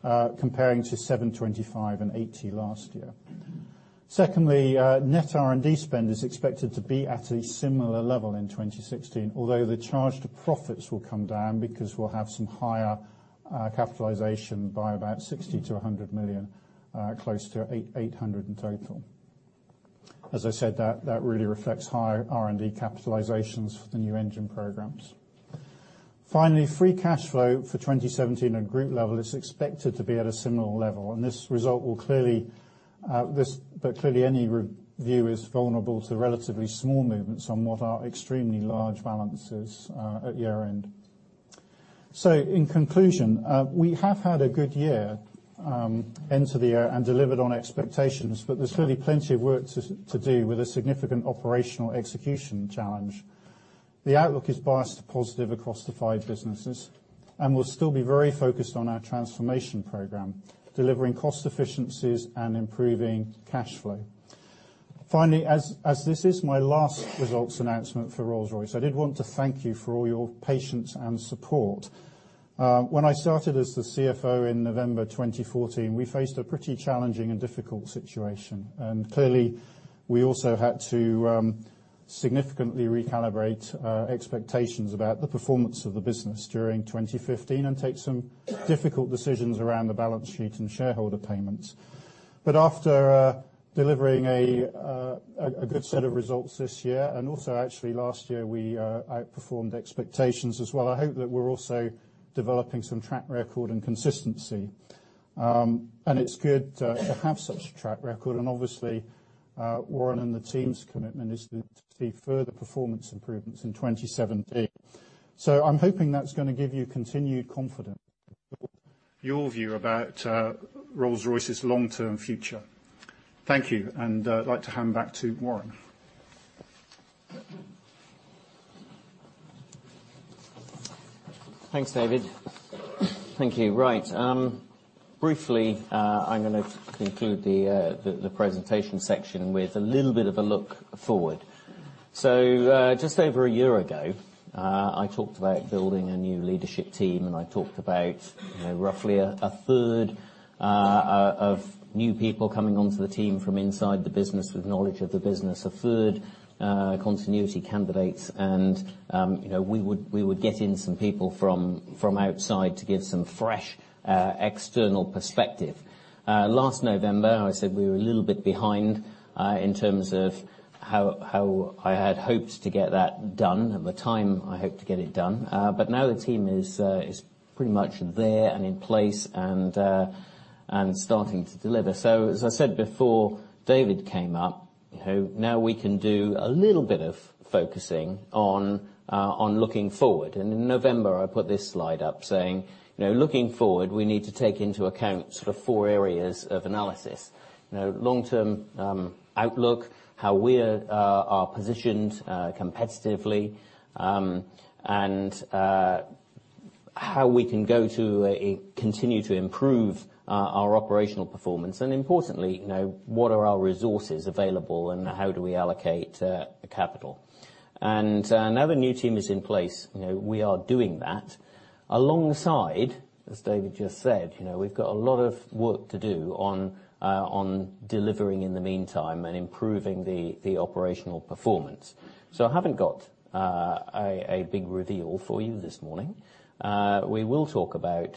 comparing to 725 and 80 last year. Secondly, net R&D spend is expected to be at a similar level in 2016, although the charge to profits will come down because we will have some higher capitalization by about 60 million-100 million, close to 800 in total. As I said, that really reflects higher R&D capitalizations for the new engine programs. Finally, free cash flow for 2017 at group level is expected to be at a similar level, this result will clearly. Clearly, any view is vulnerable to relatively small movements on what are extremely large balances at year-end. In conclusion, we have had a good year, end to the year, and delivered on expectations, but there is clearly plenty of work to do with a significant operational execution challenge. The outlook is biased positive across the five businesses, we will still be very focused on our transformation program, delivering cost efficiencies and improving cash flow. Finally, as this is my last results announcement for Rolls-Royce, I did want to thank you for all your patience and support. When I started as the CFO in November 2014, we faced a pretty challenging and difficult situation, and clearly, we also had to significantly recalibrate expectations about the performance of the business during 2015 and take some difficult decisions around the balance sheet and shareholder payments. After delivering a good set of results this year, and also actually last year, we outperformed expectations as well. I hope that we are also developing some track record and consistency. It is good to have such a track record. Obviously, Warren and the team's commitment is to see further performance improvements in 2017. I am hoping that is going to give you continued confidence in your view about Rolls-Royce's long-term future. Thank you. I would like to hand back to Warren. Thanks, David. Thank you. Right. Briefly, I am going to conclude the presentation section with a little bit of a look forward. Just over a year ago, I talked about building a new leadership team, and I talked about roughly a third of new people coming onto the team from inside the business with knowledge of the business, a third continuity candidates, and we would get in some people from outside to give some fresh, external perspective. Last November, I said we were a little bit behind in terms of how I had hoped to get that done and the time I hoped to get it done. Now the team is pretty much there and in place and starting to deliver. As I said before David came up, now we can do a little bit of focusing on looking forward. In November, I put this slide up saying, looking forward, we need to take into account sort of four areas of analysis. Long-term outlook, how we are positioned competitively, and how we can go to continue to improve our operational performance. Importantly, what are our resources available and how do we allocate the capital? Now the new team is in place, we are doing that alongside, as David just said, we've got a lot of work to do on delivering in the meantime and improving the operational performance. I haven't got a big reveal for you this morning. We will talk about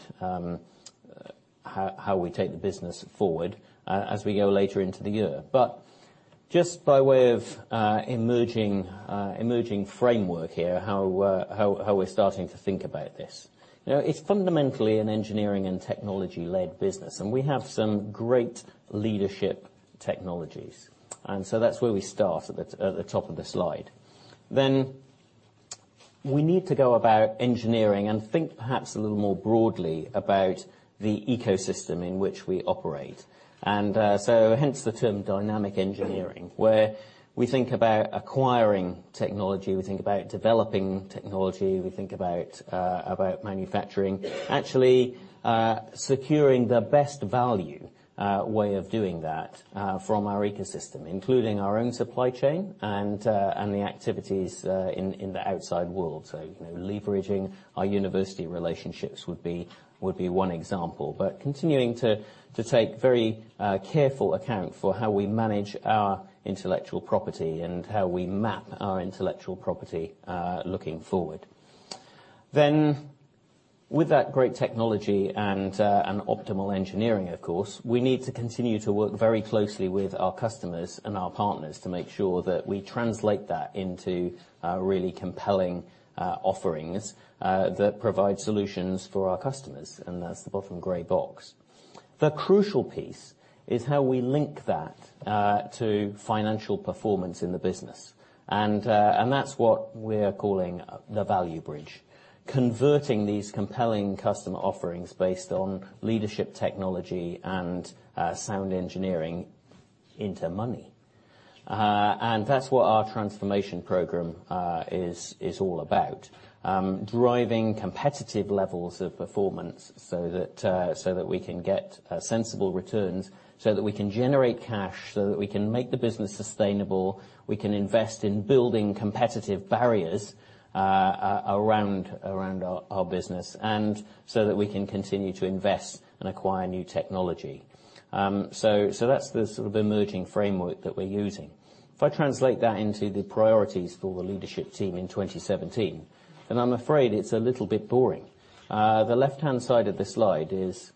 how we take the business forward as we go later into the year. Just by way of emerging framework here, how we're starting to think about this. It's fundamentally an engineering and technology led business, and we have some great leadership technologies. That's where we start, at the top of the slide. We need to go about engineering and think perhaps a little more broadly about the ecosystem in which we operate. Hence the term dynamic engineering, where we think about acquiring technology, we think about developing technology, we think about manufacturing, actually securing the best value way of doing that from our ecosystem, including our own supply chain and the activities in the outside world. Leveraging our university relationships would be one example. Continuing to take very careful account for how we manage our intellectual property and how we map our intellectual property looking forward. With that great technology and optimal engineering of course, we need to continue to work very closely with our customers and our partners to make sure that we translate that into really compelling offerings that provide solutions for our customers, and that's the bottom gray box. The crucial piece is how we link that to financial performance in the business. That's what we're calling the value bridge. Converting these compelling customer offerings based on leadership technology and sound engineering into money. That's what our transformation program is all about, driving competitive levels of performance so that we can get sensible returns, so that we can generate cash, so that we can make the business sustainable, we can invest in building competitive barriers around our business, and so that we can continue to invest and acquire new technology. That's the sort of emerging framework that we're using. If I translate that into the priorities for the leadership team in 2017, I'm afraid it's a little bit boring. The left-hand side of the slide is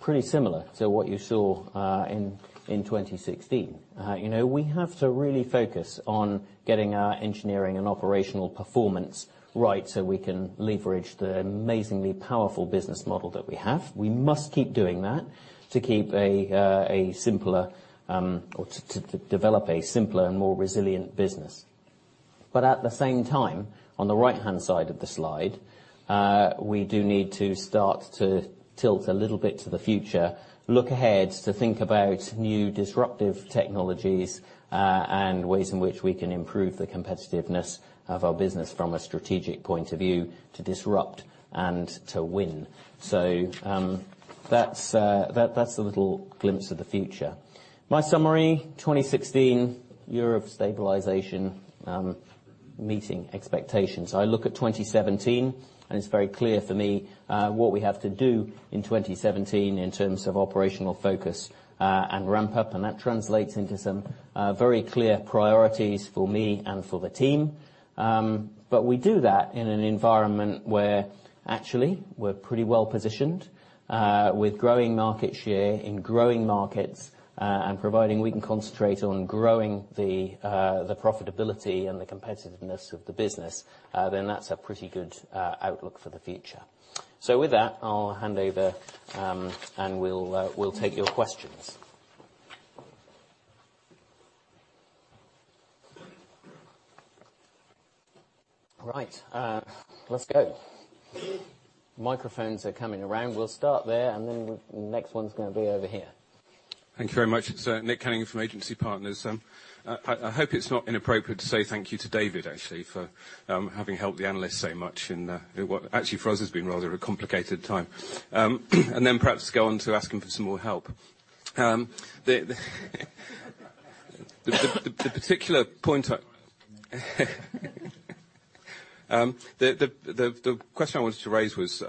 pretty similar to what you saw in 2016. We have to really focus on getting our engineering and operational performance right so we can leverage the amazingly powerful business model that we have. We must keep doing that to keep a simpler, or to develop a simpler and more resilient business. At the same time, on the right-hand side of the slide, we do need to start to tilt a little bit to the future, look ahead to think about new disruptive technologies, and ways in which we can improve the competitiveness of our business from a strategic point of view to disrupt and to win. That's the little glimpse of the future. My summary, 2016, year of stabilization, meeting expectations. I look at 2017, and it's very clear for me what we have to do in 2017 in terms of operational focus and ramp-up, that translates into some very clear priorities for me and for the team. We do that in an environment where, actually, we're pretty well positioned with growing market share in growing markets, and providing we can concentrate on growing the profitability and the competitiveness of the business, then that's a pretty good outlook for the future. With that, I'll hand over, and we'll take your questions. Right. Let's go. Microphones are coming around. We'll start there, and then next one's going to be over here. Thank you very much. It's Nick Cunningham from Agency Partners. I hope it's not inappropriate to say thank you to David, actually, for having helped the analysts so much in what actually, for us, has been rather a complicated time. Perhaps go on to ask him for some more help. The question I wanted to raise was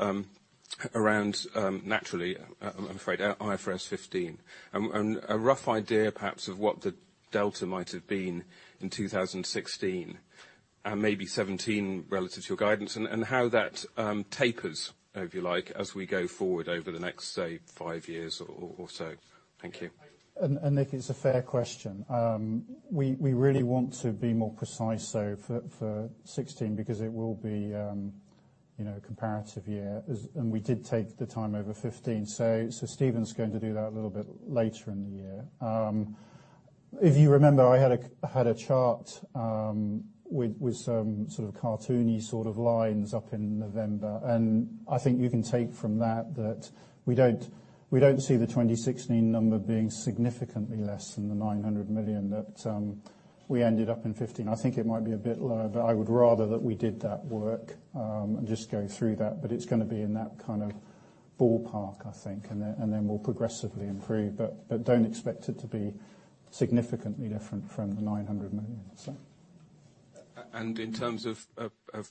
around, naturally, I'm afraid, IFRS 15, and a rough idea perhaps of what the delta might have been in 2016, and maybe 2017 relative to your guidance, and how that tapers, if you like, as we go forward over the next, say, 5 years or so. Thank you. Nick, it's a fair question. We really want to be more precise, though, for 2016, because it will be a comparative year, and we did take the time over 2015. Stephen's going to do that a little bit later in the year. If you remember, I had a chart with some sort of cartoony sort of lines up in November, and I think you can take from that that we don't see the 2016 number being significantly less than the 900 million that we ended up in 2015. I think it might be a bit lower, but I would rather that we did that work and just go through that, but it's going to be in that kind of ballpark, I think, and then will progressively improve. Don't expect it to be significantly different from the 900 million. Sir? In terms of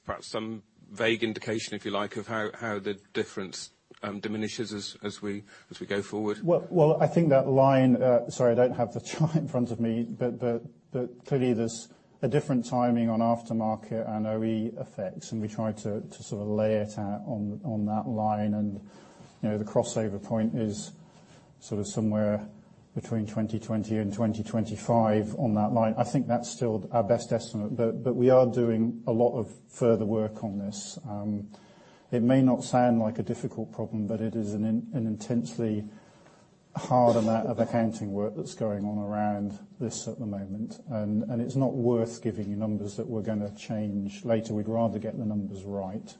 perhaps some vague indication, if you like, of how the difference diminishes as we go forward. Sorry, I don't have the chart in front of me, but clearly there's a different timing on aftermarket and OE effects, and we try to sort of lay it out on that line, and the crossover point is sort of somewhere between 2020 and 2025 on that line. I think that's still our best estimate, but we are doing a lot of further work on this. It may not sound like a difficult problem, but it is an intensely hard amount of accounting work that's going on around this at the moment. It's not worth giving you numbers that we're going to change later. We'd rather get the numbers right.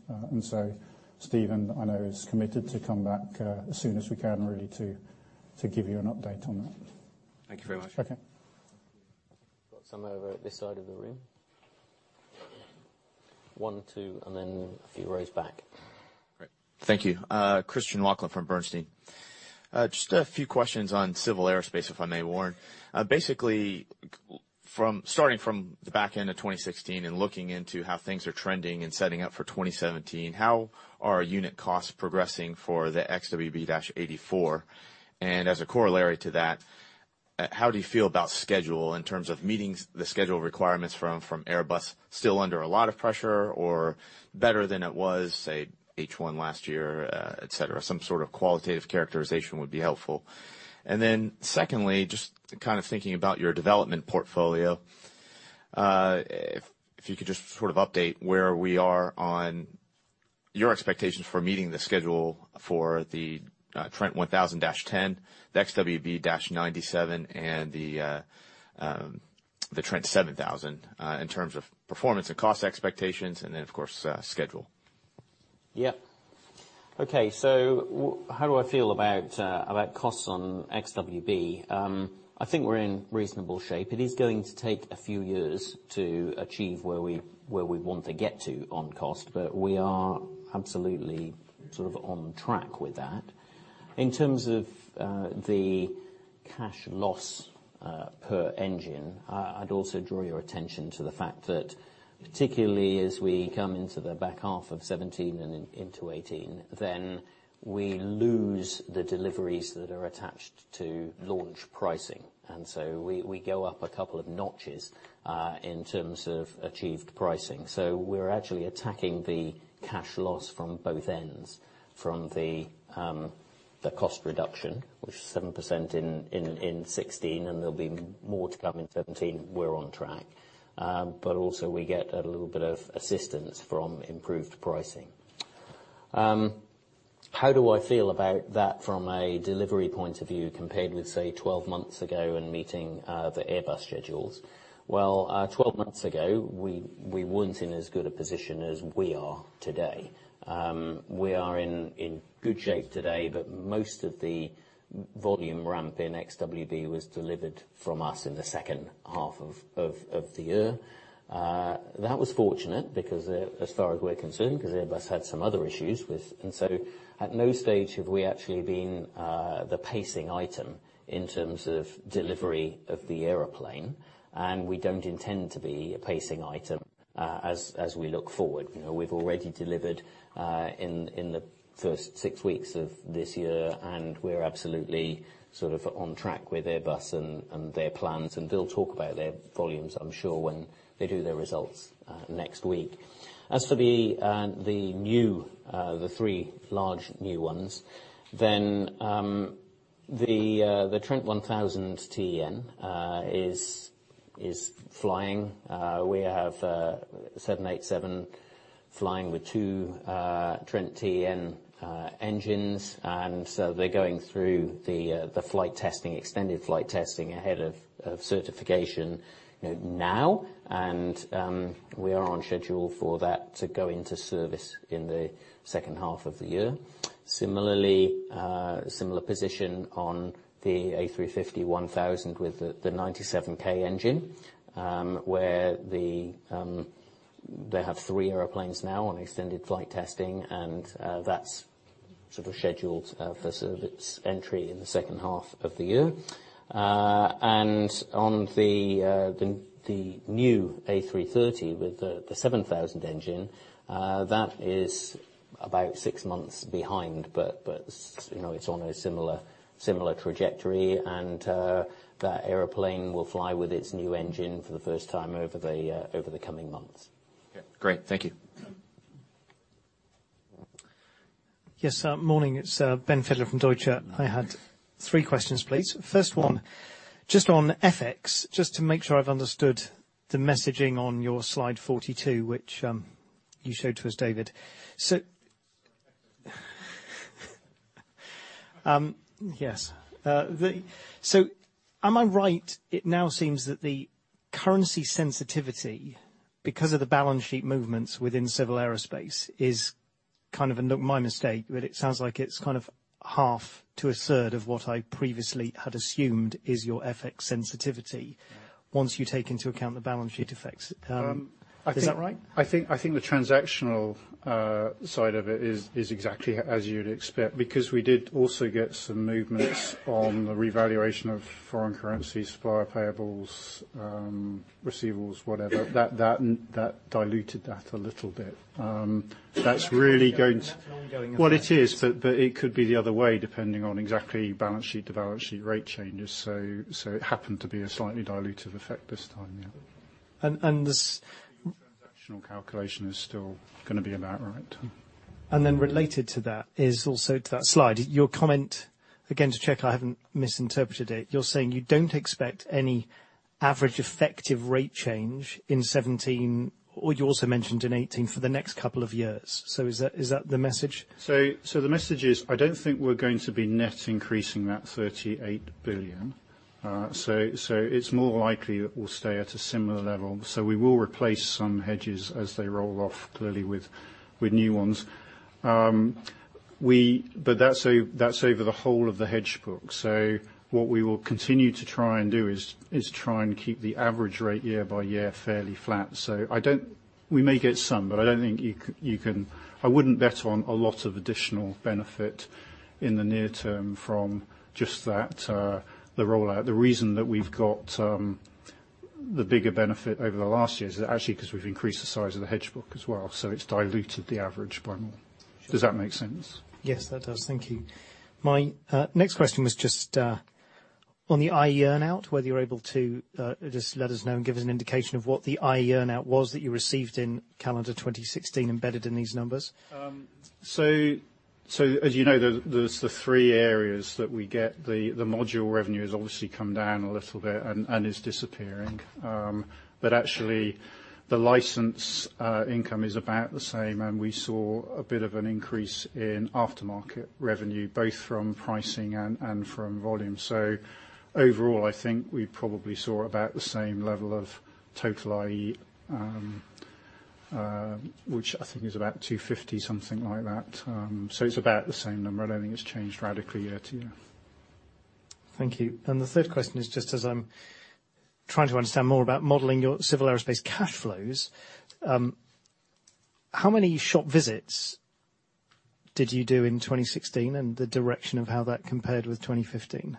Stephen, I know, is committed to come back, as soon as we can, really, to give you an update on that. Thank you very much. Okay. We've got some over at this side of the room. One, two, and then a few rows back. Great. Thank you. Christian Laughlin from Bernstein. Just a few questions on Civil Aerospace, if I may, Warren. Basically, starting from the back end of 2016 and looking into how things are trending and setting up for 2017, how are unit costs progressing for the XWB-84? As a corollary to that, how do you feel about schedule, in terms of meeting the schedule requirements from Airbus? Still under a lot of pressure, or better than it was, say, H1 last year, et cetera? Some sort of qualitative characterization would be helpful. Secondly, just kind of thinking about your development portfolio, if you could just sort of update where we are on your expectations for meeting the schedule for the Trent 1000 TEN, the XWB-97, and the Trent 7000, in terms of performance and cost expectations and then, of course, schedule. Yep. Okay. How do I feel about costs on XWB? I think we're in reasonable shape. It is going to take a few years to achieve where we want to get to on cost, but we are absolutely sort of on track with that. In terms of the cash loss per engine, I'd also draw your attention to the fact that particularly as we come into the back half of 2017 and into 2018, we lose the deliveries that are attached to launch pricing. We go up a couple of notches, in terms of achieved pricing. We're actually attacking the cash loss from both ends, from the cost reduction, which is 7% in 2016, and there'll be more to come in 2017. We're on track. Also, we get a little bit of assistance from improved pricing. How do I feel about that from a delivery point of view compared with, say, 12 months ago and meeting the Airbus schedules? Well, 12 months ago, we weren't in as good a position as we are today. We are in good shape today, but most of the volume ramp in XWB was delivered from us in the second half of the year. That was fortunate as far as we're concerned, because Airbus had some other issues with. At no stage have we actually been the pacing item in terms of delivery of the airplane, and we don't intend to be a pacing item as we look forward. We've already delivered in the first six weeks of this year, and we're absolutely sort of on track with Airbus and their plans. They'll talk about their volumes, I'm sure, when they do their results next week. As for the three large new ones, the Trent 1000 TEN is flying. We have a 787 flying with two Trent TEN engines. They're going through the extended flight testing ahead of certification now. We are on schedule for that to go into service in the second half of the year. Similarly, similar position on the A350-1000 with the Trent XWB-97 engine, where they have three airplanes now on extended flight testing, and that's sort of scheduled for service entry in the second half of the year. On the new A330 with the 7000 engine, that is about six months behind, but it's on a similar trajectory, and that airplane will fly with its new engine for the first time over the coming months. Yeah. Great. Thank you. Yes. Morning. It's Ben Fidler from Deutsche. I had three questions, please. First one, just on FX, just to make sure I've understood the messaging on your slide 42, which you showed to us, David. Yes. Am I right, it now seems that the currency sensitivity, because of the balance sheet movements within Civil Aerospace, is kind of my mistake, but it sounds like it's half to a third of what I previously had assumed is your FX sensitivity once you take into account the balance sheet effects. Um- Is that right? I think the transactional side of it is exactly as you'd expect, because we did also get some movements on the revaluation of foreign currency supplier payables, receivables, whatever. That diluted that a little bit. That's really going to That's an ongoing effect. It is. It could be the other way, depending on exactly balance sheet to balance sheet rate changes. It happened to be a slightly dilutive effect this time. Yeah. And this- The transactional calculation is still going to be about right. Related to that is also to that slide. Your comment, again, to check I haven't misinterpreted it, you're saying you don't expect any average effective rate change in 2017, or you also mentioned in 2018, for the next couple of years. Is that the message? The message is, I don't think we're going to be net increasing that 38 billion. It's more likely that we'll stay at a similar level. We will replace some hedges as they roll off, clearly, with new ones. That's over the whole of the hedge book. What we will continue to try and do is try and keep the average rate year by year fairly flat. We may get some, but I wouldn't bet on a lot of additional benefit in the near term from just that, the rollout. The reason that we've got the bigger benefit over the last year is that actually because we've increased the size of the hedge book as well, it's diluted the average by more. Does that make sense? Yes, that does. Thank you. My next question was just on the ITP earn out, whether you're able to just let us know and give us an indication of what the ITP earn out was that you received in calendar 2016 embedded in these numbers. As you know, there's the three areas that we get. The module revenue has obviously come down a little bit and is disappearing. Actually, the license income is about the same, and we saw a bit of an increase in aftermarket revenue, both from pricing and from volume. Overall, I think we probably saw about the same level of total ITP, which I think is about 250, something like that. It's about the same number. I don't think it's changed radically year to year. Thank you. The third question is, just as I'm trying to understand more about modeling your Civil Aerospace cash flows, how many shop visits did you do in 2016 and the direction of how that compared with 2015?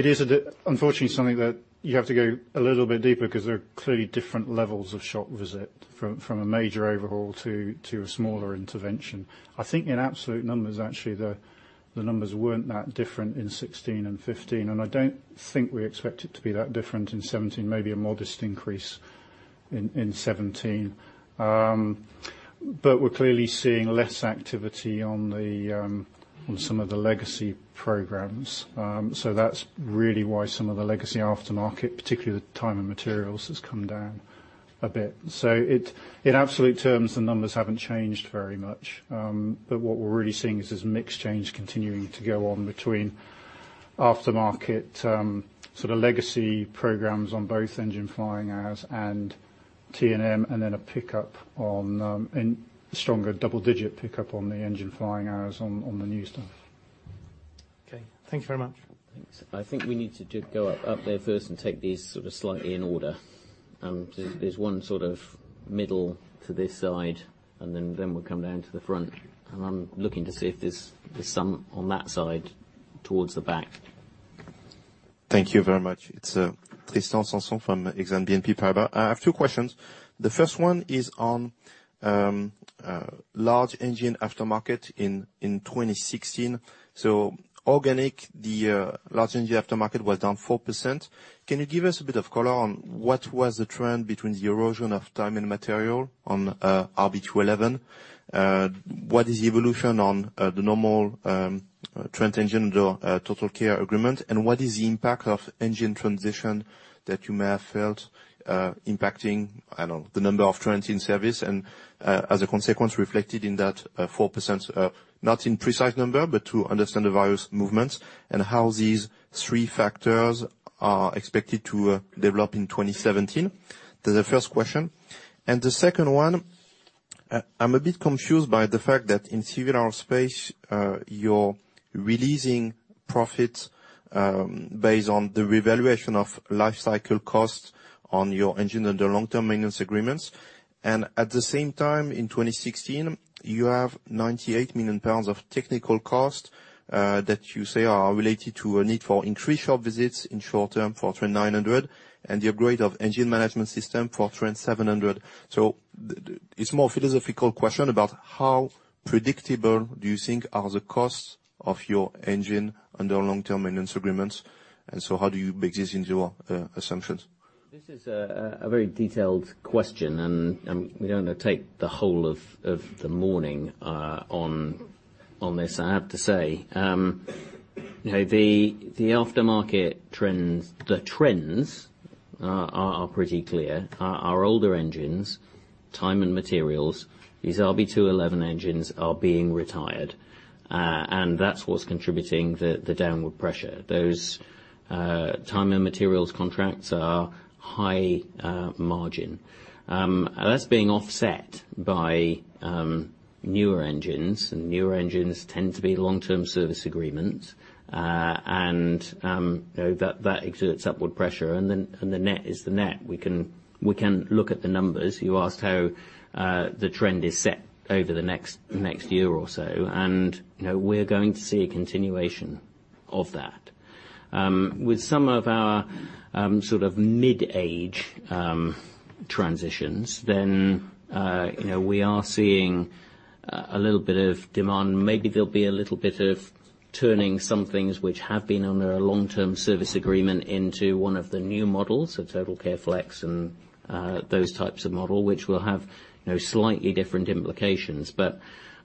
It's unfortunately something that you have to go a little bit deeper because there are clearly different levels of shop visit, from a major overhaul to a smaller intervention. I think in absolute numbers, actually, the numbers weren't that different in 2016 and 2015, and I don't think we expect it to be that different in 2017. Maybe a modest increase in 2017. We're clearly seeing less activity on some of the legacy programs. That's really why some of the legacy aftermarket, particularly the time and materials, has come down a bit. In absolute terms, the numbers haven't changed very much. What we're really seeing is this mix change continuing to go on between aftermarket legacy programs on both engine flying hours and T&M, and then a pickup on, a stronger double-digit pickup on the engine flying hours on the new stuff. Okay. Thank you very much. Thanks. I think we need to go up there first and take these slightly in order. There's one sort of middle to this side, and then we'll come down to the front. I'm looking to see if there's some on that side towards the back. Thank you very much. It's Tristan Sanson from Exane BNP Paribas. I have two questions. The first one is on large engine aftermarket in 2016. Organic, the large engine aftermarket was down 4%. Can you give us a bit of color on what was the trend between the erosion of time and material on RB211? What is the evolution on the normal Trent engine or TotalCare agreement? What is the impact of engine transition that you may have felt impacting, I don't know, the number of Trent in service and, as a consequence, reflected in that 4%, not in precise number, but to understand the various movements and how these three factors are expected to develop in 2017? That's the first question. The second one, I'm a bit confused by the fact that in Civil Aerospace, you're releasing profits based on the revaluation of life cycle costs on your engine and the long-term maintenance agreements. At the same time, in 2016, you have 98 million pounds of technical cost that you say are related to a need for increased shop visits in short term for Trent 900 and the upgrade of engine management system for Trent 700. It's more a philosophical question about how predictable do you think are the costs of your engine under long-term maintenance agreements, and so how do you bake this into your assumptions? This is a very detailed question, and we don't want to take the whole of the morning on this, I have to say. The aftermarket trends are pretty clear. Our older engines, time and materials, these RB211 engines are being retired, and that's what's contributing the downward pressure. Those time and materials contracts are high margin. That's being offset by newer engines, and newer engines tend to be long-term service agreements, and that exerts upward pressure and the net is the net. We can look at the numbers. You asked how the trend is set over the next year or so, and we're going to see a continuation of that. With some of our mid-age transitions, we are seeing a little bit of demand. Maybe there'll be a little bit of turning some things which have been under a long-term service agreement into one of the new models, so TotalCare Flex and those types of model, which will have slightly different implications.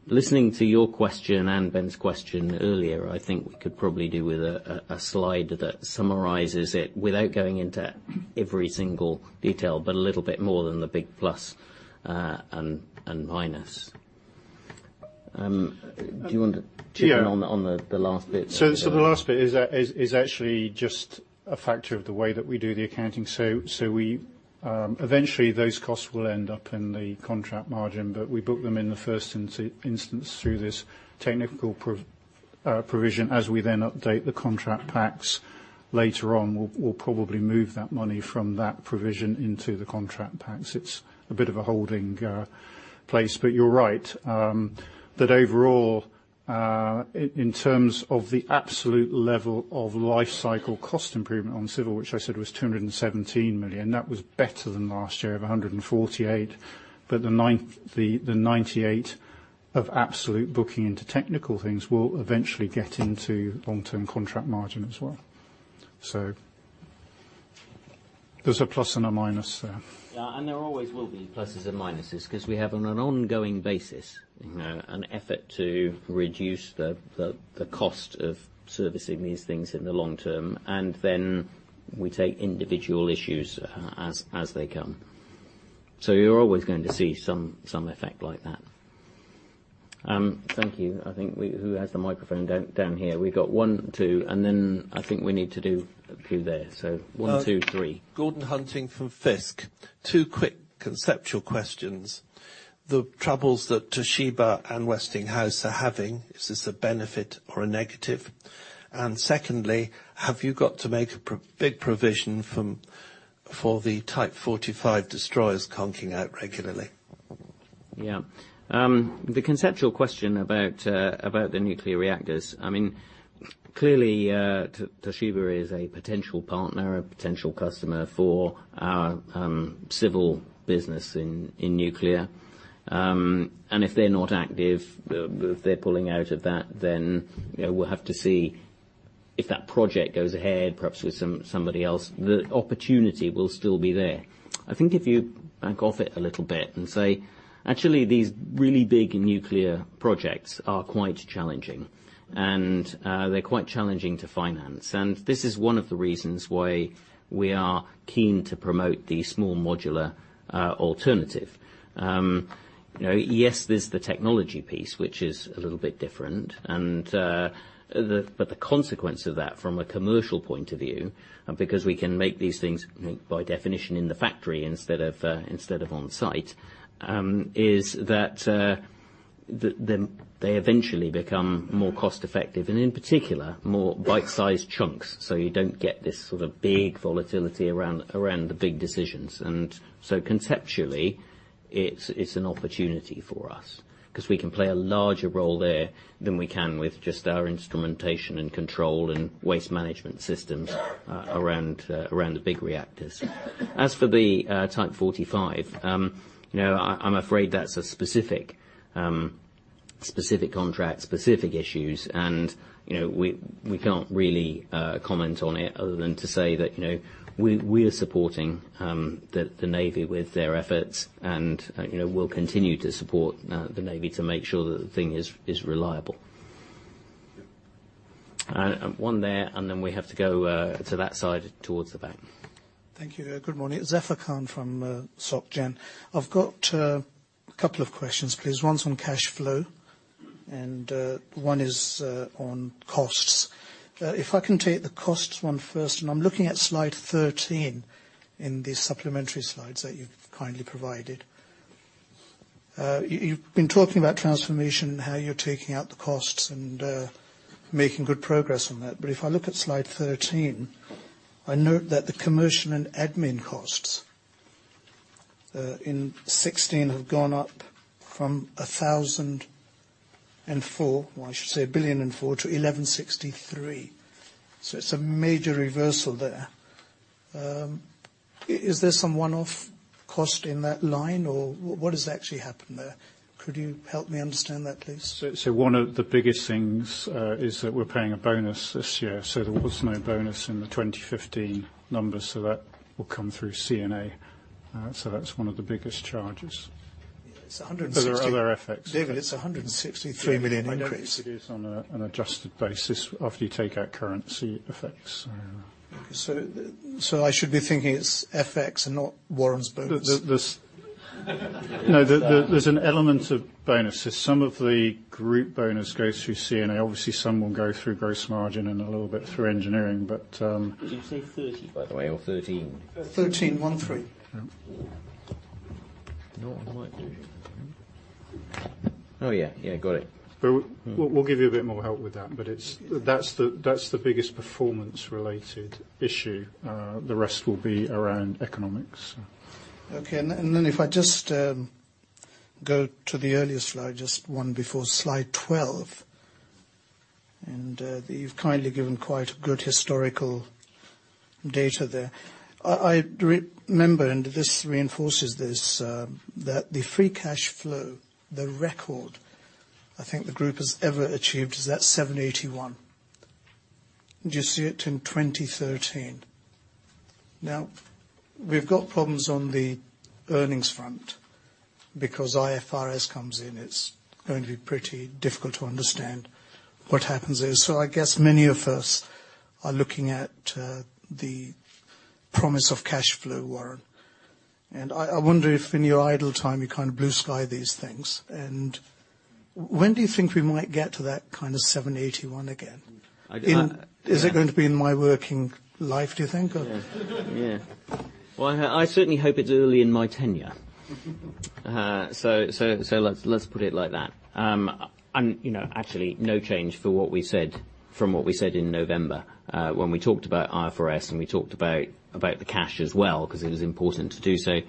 Listening to your question and Ben's question earlier, I think we could probably do with a slide that summarizes it without going into every single detail, but a little bit more than the big plus and minus. Do you want to- Yeah chip in on the last bit? The last bit is actually just a factor of the way that we do the accounting. Eventually those costs will end up in the contract margin, but we book them in the first instance through this technical provision. As we then update the contract packs later on, we'll probably move that money from that provision into the contract packs. It's a bit of a holding place. You're right, that overall, in terms of the absolute level of life cycle cost improvement on Civil, which I said was 217 million, that was better than last year of 148. The 98 of absolute booking into technical things will eventually get into long-term contract margin as well. There's a plus and a minus there. There always will be pluses and minuses because we have, on an ongoing basis, an effort to reduce the cost of servicing these things in the long term, and then we take individual issues as they come. You're always going to see some effect like that. Thank you. I think, who has the microphone down here? We've got one, two, and then I think we need to do a few there. One, two, three. Gordon Hunting from Fiske. Two quick conceptual questions. The troubles that Toshiba and Westinghouse are having, is this a benefit or a negative? Secondly, have you got to make a big provision for the Type 45 destroyers conking out regularly? The conceptual question about the nuclear reactors, clearly, Toshiba is a potential partner, a potential customer for our Civil business in Nuclear. If they're not active, if they're pulling out of that, then we'll have to see if that project goes ahead, perhaps with somebody else. The opportunity will still be there. I think if you back off it a little bit and say, actually, these really big nuclear projects are quite challenging, and they're quite challenging to finance. This is one of the reasons why we are keen to promote the small modular alternative. Yes, there's the technology piece, which is a little bit different. The consequence of that, from a commercial point of view, because we can make these things by definition in the factory instead of on site, is that they eventually become more cost effective and, in particular, more bite-size chunks. You don't get this big volatility around the big decisions. Conceptually, it's an opportunity for us because we can play a larger role there than we can with just our instrumentation and control and waste management systems around the big reactors. As for the Type 45, I'm afraid that's a specific contract, specific issues, and we can't really comment on it other than to say that we are supporting the Navy with their efforts, and we'll continue to support the Navy to make sure that the thing is reliable. One there, we have to go to that side towards the back. Thank you. Good morning. Zafar Khan from Societe Generale. I've got a couple of questions, please. One's on cash flow and one is on costs. If I can take the costs one first, I'm looking at slide 13 in the supplementary slides that you've kindly provided. You've been talking about transformation, how you're taking out the costs and making good progress on that. But if I look at slide 13, I note that the Commercial and Admin costs in 2016 have gone up from 1,004, or I should say 1,004,000,000 to 1,163. It's a major reversal there. Is there some one-off cost in that line, or what has actually happened there? Could you help me understand that, please? One of the biggest things is that we're paying a bonus this year, there was no bonus in the 2015 numbers. That will come through C&A. That's one of the biggest charges. It's 160- There are other effects. David, it's 163 million increase. I know it is on an adjusted basis after you take out currency effects. Okay. I should be thinking it's FX and not Warren's bonus. No. There's an element of bonuses. Some of the group bonus goes through C&A, obviously some will go through gross margin and a little bit through engineering. Did you say 30 by the way, or 13? 13. One three. Yeah. You know what I might do? Oh yeah. Got it. We'll give you a bit more help with that's the biggest performance related issue. The rest will be around economics. Okay. If I just go to the earlier slide, just one before slide 12, you've kindly given quite good historical data there. I remember, this reinforces this, that the free cash flow, the record I think the group has ever achieved is that 781. Do you see it in 2013? Now, we've got problems on the earnings front because IFRS comes in, it's going to be pretty difficult to understand what happens there. I guess many of us are looking at the promise of cash flow, Warren, I wonder if in your idle time you kind of blue sky these things. When do you think we might get to that kind of 781 again? I don't- Is it going to be in my working life, do you think? Yeah. Well, I certainly hope it's early in my tenure. Let's put it like that. Actually, no change from what we said in November, when we talked about IFRS and we talked about the cash as well, because it was important to do so.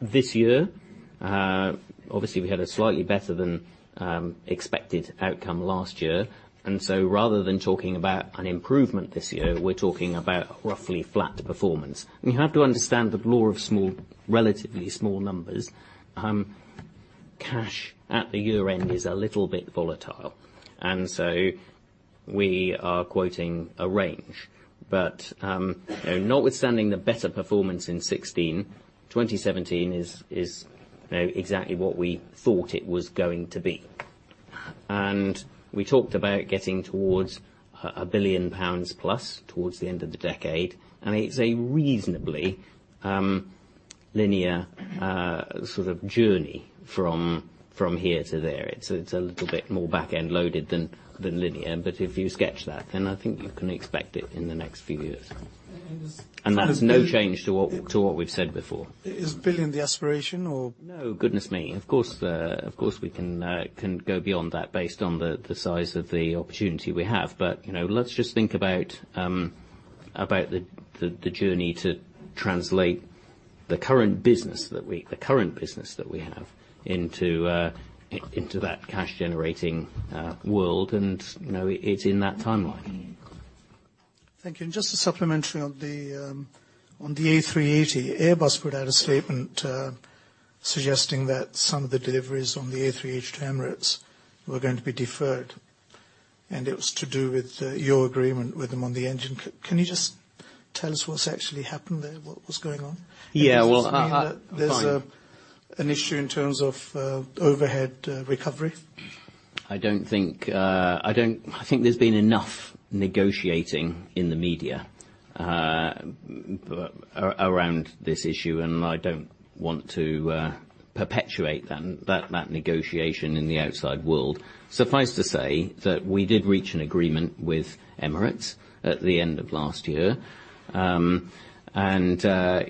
This year, obviously we had a slightly better than expected outcome last year. Rather than talking about an improvement this year, we're talking about roughly flat performance. You have to understand the law of relatively small numbers. Cash at the year-end is a little bit volatile, so we are quoting a range. Notwithstanding the better performance in 2016, 2017 is exactly what we thought it was going to be. We talked about getting towards 1 billion pounds plus towards the end of the decade, and it's a reasonably linear sort of journey from here to there. It's a little bit more back-end loaded than linear. If you sketch that, then I think you can expect it in the next few years. Is- That's no change to what we've said before. Is billion the aspiration or? No, goodness me. Of course, we can go beyond that based on the size of the opportunity we have. Let's just think about the journey to translate the current business that we have into that cash generating world, and it's in that timeline. Thank you. Just to supplement you on the A380, Airbus put out a statement suggesting that some of the deliveries on the A380 to Emirates were going to be deferred. It was to do with your agreement with them on the engine. Can you just tell us what's actually happened there? What's going on? Yeah, well, I- Does it mean that there's an issue in terms of overhead recovery? I think there's been enough negotiating in the media around this issue, I don't want to perpetuate that negotiation in the outside world. Suffice to say that we did reach an agreement with Emirates at the end of last year. That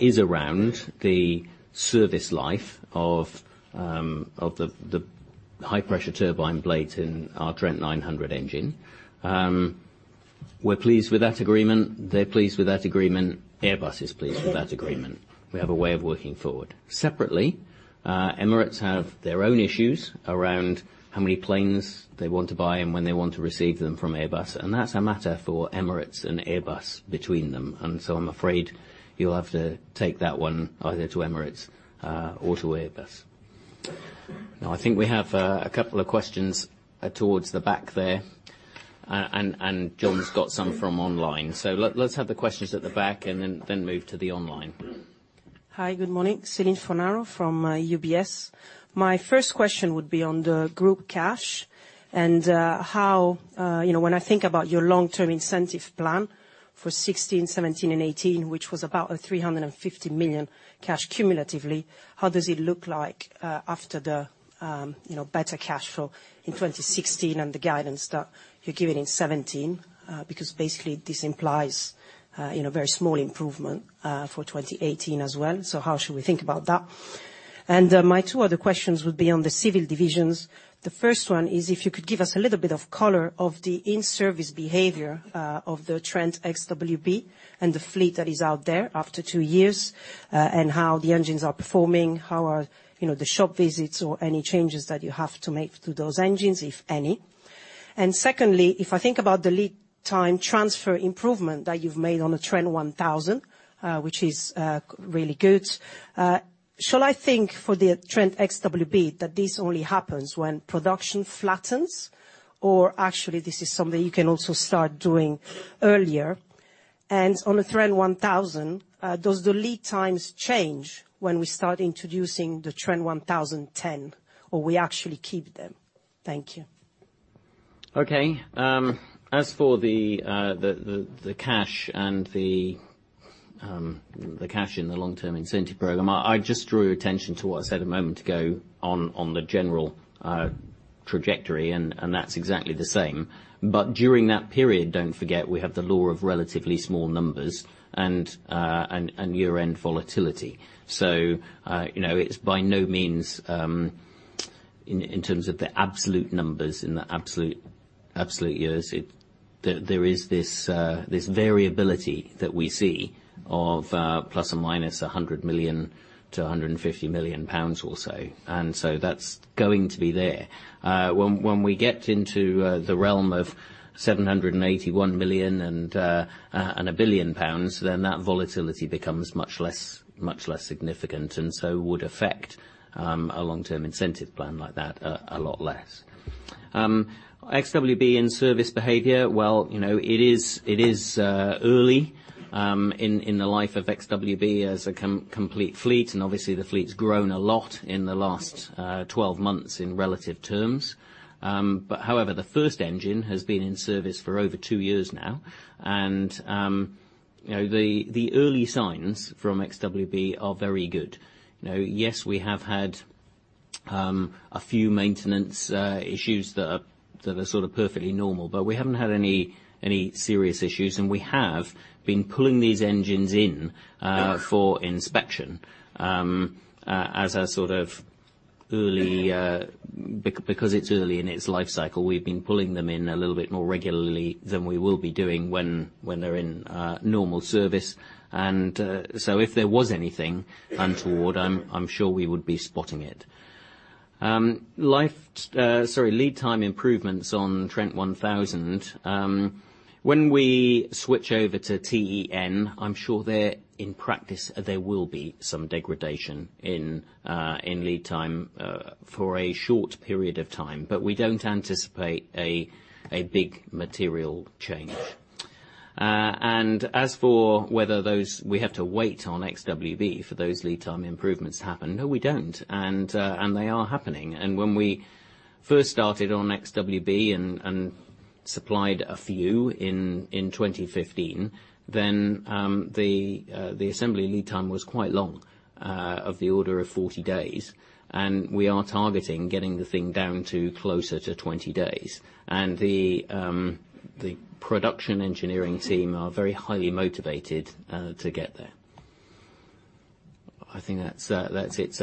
is around the service life of the high-pressure turbine blades in our Trent 900 engine. We're pleased with that agreement. They're pleased with that agreement. Airbus is pleased with that agreement. We have a way of working forward. Separately, Emirates have their own issues around how many planes they want to buy and when they want to receive them from Airbus, and that's a matter for Emirates and Airbus between them. I'm afraid you'll have to take that one either to Emirates or to Airbus. I think we have a couple of questions towards the back there. John's got some from online. Let's have the questions at the back then move to the online. Hi. Good morning. Céline Fornaro from UBS. My first question would be on the group cash and how, when I think about your long-term incentive plan for 2016, 2017, and 2018, which was about a 350 million cash cumulatively, how does it look like after the better cash flow in 2016 and the guidance that you're giving in 2017? Basically this implies a very small improvement for 2018 as well. How should we think about that? My two other questions would be on the civil divisions. The first one is if you could give us a little bit of color of the in-service behavior of the Trent XWB and the fleet that is out there after two years, and how the engines are performing, how are the shop visits or any changes that you have to make to those engines, if any. Secondly, if I think about the lead time transfer improvement that you've made on the Trent 1000, which is really good, shall I think for the Trent XWB that this only happens when production flattens, or actually this is something you can also start doing earlier? On the Trent 1000, does the lead times change when we start introducing the Trent 1000 TEN, or we actually keep them? Thank you. Okay. As for the cash and the cash in the long-term incentive program, I just drew attention to what I said a moment ago on the general trajectory, and that's exactly the same. During that period, don't forget, we have the law of relatively small numbers and year-end volatility. It's by no means, in terms of the absolute numbers, in the absolute years, there is this variability that we see of plus or minus 100 million to 150 million pounds or so. That's going to be there. When we get into the realm of 781 million and 1 billion pounds, that volatility becomes much less significant and would affect a long-term incentive plan like that a lot less. Trent XWB in-service behavior. Well, it is early in the life of Trent XWB as a complete fleet, and obviously the fleet's grown a lot in the last 12 months in relative terms. However, the first engine has been in service for over two years now. The early signs from Trent XWB are very good. Yes, we have had a few maintenance issues that are sort of perfectly normal, but we haven't had any serious issues, and we have been pulling these engines in for inspection. Because it's early in its life cycle, we've been pulling them in a little bit more regularly than we will be doing when they're in normal service. If there was anything untoward, I'm sure we would be spotting it. Lead time improvements on Trent 1000. When we switch over to TEN, I'm sure there in practice, there will be some degradation in lead time for a short period of time. We don't anticipate a big material change. As for whether we have to wait on XWB for those lead time improvements happen, no, we don't. They are happening. When we first started on XWB and supplied a few in 2015, the assembly lead time was quite long, of the order of 40 days. We are targeting getting the thing down to closer to 20 days. The production engineering team are very highly motivated to get there. I think that's it.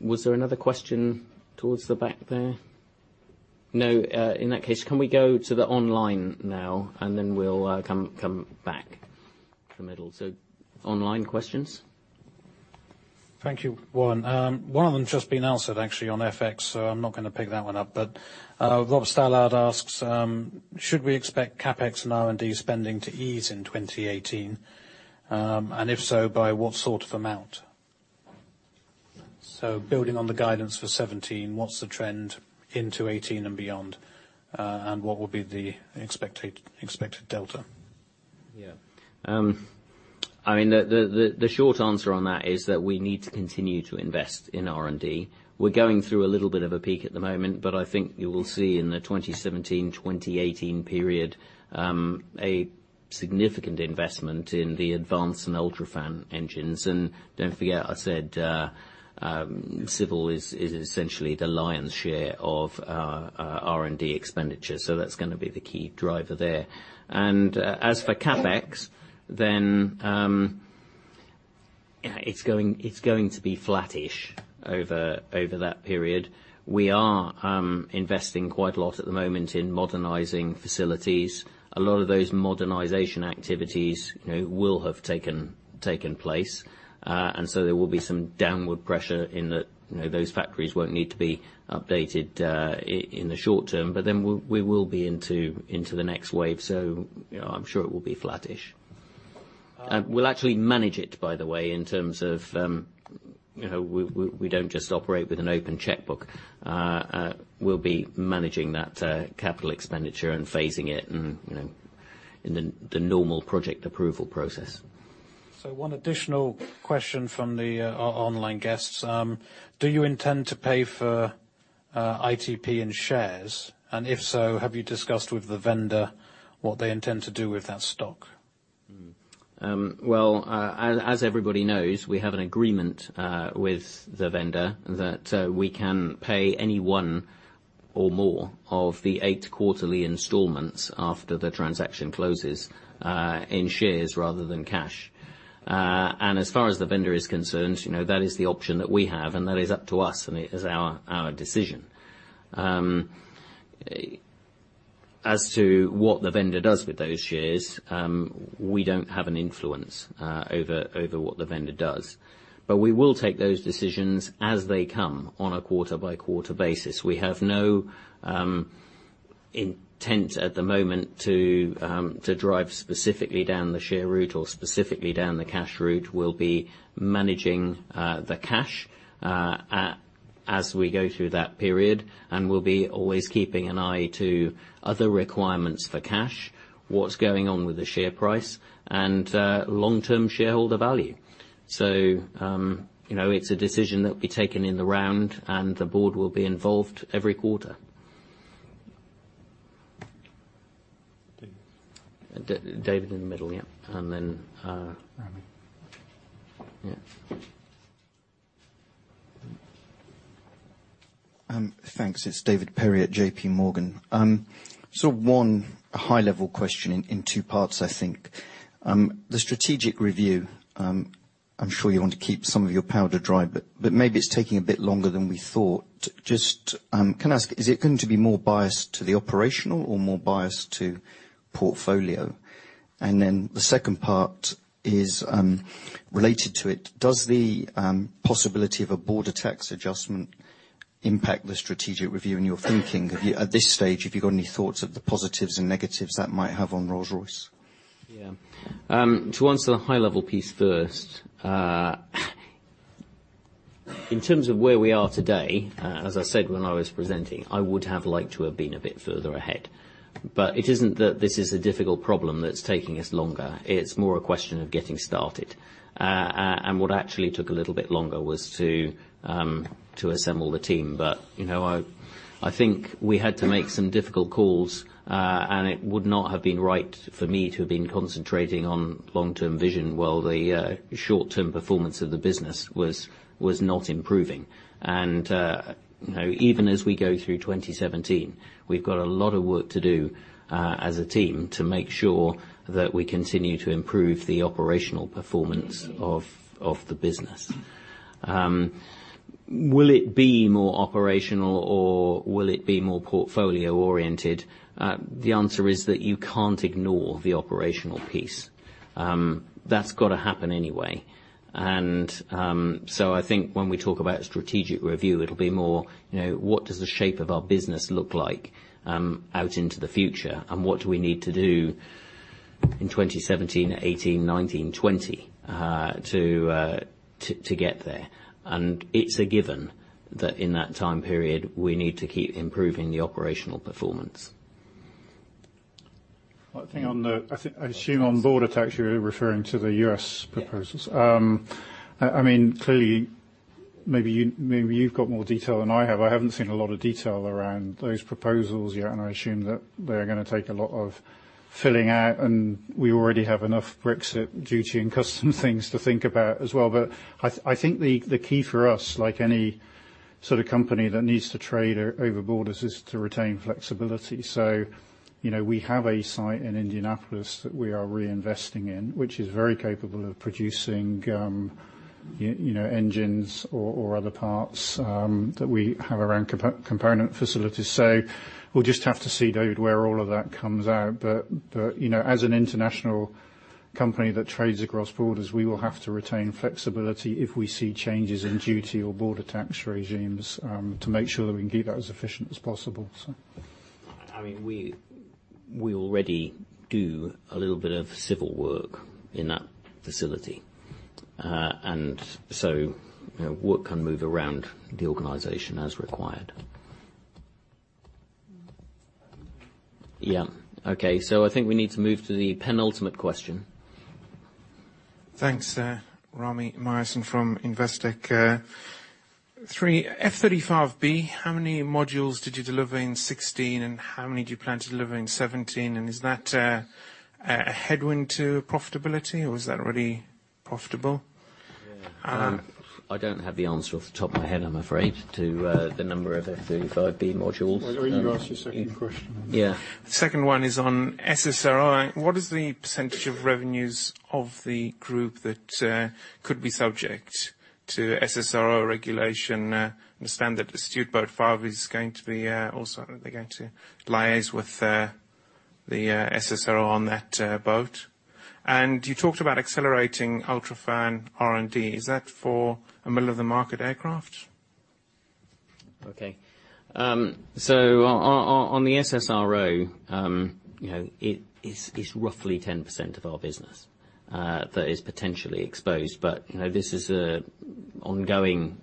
Was there another question towards the back there? No. In that case, can we go to the online now, and then we'll come back the middle. Online questions. Thank you, Warren. One of them just been answered actually on FX, I'm not going to pick that one up. Rob Stallard asks, should we expect CapEx and R&D spending to ease in 2018? If so, by what sort of amount? Building on the guidance for 2017, what's the trend into 2018 and beyond? What will be the expected delta? Yeah. The short answer on that is that we need to continue to invest in R&D. We're going through a little bit of a peak at the moment, I think you will see in the 2017, 2018 period, a significant investment in the Advance in UltraFan engines. Don't forget, I said, Civil is essentially the lion's share of our R&D expenditure. That's going to be the key driver there. As for CapEx, it's going to be flattish over that period. We are investing quite a lot at the moment in modernizing facilities. A lot of those modernization activities will have taken place. There will be some downward pressure in that those factories won't need to be updated in the short term. We will be into the next wave. I'm sure it will be flattish. We'll actually manage it, by the way, in terms of, we don't just operate with an open checkbook. We'll be managing that capital expenditure and phasing it in the normal project approval process. One additional question from the online guests. Do you intend to pay for ITP in shares? If so, have you discussed with the vendor what they intend to do with that stock? Well, as everybody knows, we have an agreement with the vendor that we can pay any one or more of the eight quarterly installments after the transaction closes, in shares rather than cash. As far as the vendor is concerned, that is the option that we have, and that is up to us, and it is our decision. As to what the vendor does with those shares, we don't have an influence over what the vendor does. We will take those decisions as they come on a quarter-by-quarter basis. We have no intent at the moment to drive specifically down the share route or specifically down the cash route. We'll be managing the cash as we go through that period, and we'll be always keeping an eye to other requirements for cash, what's going on with the share price, and long-term shareholder value. It's a decision that will be taken in the round, and the board will be involved every quarter. David in the middle, yeah. Rami Yeah. Thanks. It's David Perry at JPMorgan. Sort of one high level question in two parts, I think. The strategic review, I'm sure you want to keep some of your powder dry, but maybe it's taking a bit longer than we thought. Just, can I ask, is it going to be more biased to the operational or more biased to portfolio? The second part is related to it. Does the possibility of a border tax adjustment impact the strategic review in your thinking? At this stage, have you got any thoughts of the positives and negatives that might have on Rolls-Royce? Yeah. To answer the high level piece first. In terms of where we are today, as I said when I was presenting, I would have liked to have been a bit further ahead. It isn't that this is a difficult problem that's taking us longer, it's more a question of getting started. What actually took a little bit longer was to assemble the team. I think we had to make some difficult calls, and it would not have been right for me to have been concentrating on long-term vision while the short-term performance of the business was not improving. Even as we go through 2017, we've got a lot of work to do as a team to make sure that we continue to improve the operational performance of the business. Will it be more operational or will it be more portfolio-oriented? The answer is that you can't ignore the operational piece. That's got to happen anyway. I think when we talk about strategic review, it'll be more, what does the shape of our business look like out into the future, and what do we need to do in 2017, 2018, 2019, 2020, to get there? It's a given that in that time period, we need to keep improving the operational performance. I think I assume on border tax, you're referring to the U.S. proposals. Yeah. Clearly, maybe you've got more detail than I have. I haven't seen a lot of detail around those proposals yet, I assume that they're going to take a lot of filling out, and we already have enough Brexit duty and custom things to think about as well. I think the key for us, like any sort of company that needs to trade over borders, is to retain flexibility. We have a site in Indianapolis that we are reinvesting in, which is very capable of producing engines or other parts that we have around component facilities. We'll just have to see, David, where all of that comes out. As an international company that trades across borders, we will have to retain flexibility if we see changes in duty or border tax regimes, to make sure that we can keep that as efficient as possible. We already do a little bit of civil work in that facility. Work can move around the organization as required. I think we need to move to the penultimate question. Thanks. Rami Myerson from Investec. Three, F-35B, how many modules did you deliver in 2016, and how many do you plan to deliver in 2017? Is that a headwind to profitability, or is that already profitable? I don't have the answer off the top of my head, I'm afraid, to the number of F-35B modules. Why don't you ask your second question? Yeah. The second one is on SSRO. What is the percentage of revenues of the group that could be subject to SSRO regulation? Understand that the Astute Boat 5 is going to be also, they're going to liaise with the SSRO on that boat. You talked about accelerating UltraFan R&D. Is that for a middle-of-the-market aircraft? On the SSRO, it's roughly 10% of our business that is potentially exposed. This is an ongoing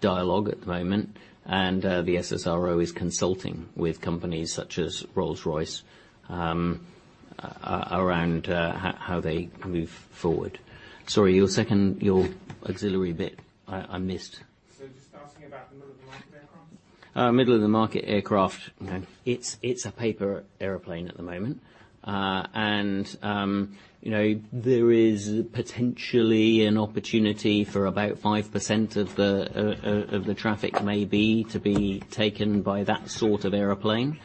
dialogue at the moment. The SSRO is consulting with companies such as Rolls-Royce, around how they move forward. Sorry, your second, your auxiliary bit, I missed. Just asking about the middle-of-the-market aircraft. Middle-of-the-market aircraft. It's a paper airplane at the moment. There is potentially an opportunity for about 5% of the traffic may be to be taken by that sort of airplane.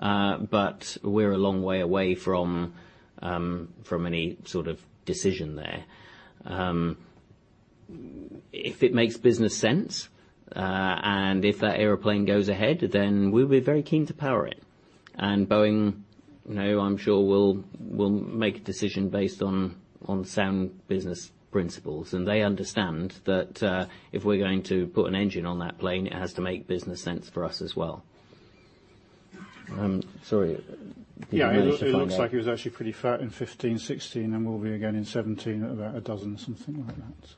We're a long way away from any sort of decision there. If it makes business sense, and if that airplane goes ahead, then we'll be very keen to power it. Boeing, I'm sure will make a decision based on sound business principles. They understand that if we're going to put an engine on that plane, it has to make business sense for us as well. Sorry. Yeah, it looks like it was actually pretty flat in 2015, 2016, and will be again in 2017, at about a dozen, something like that.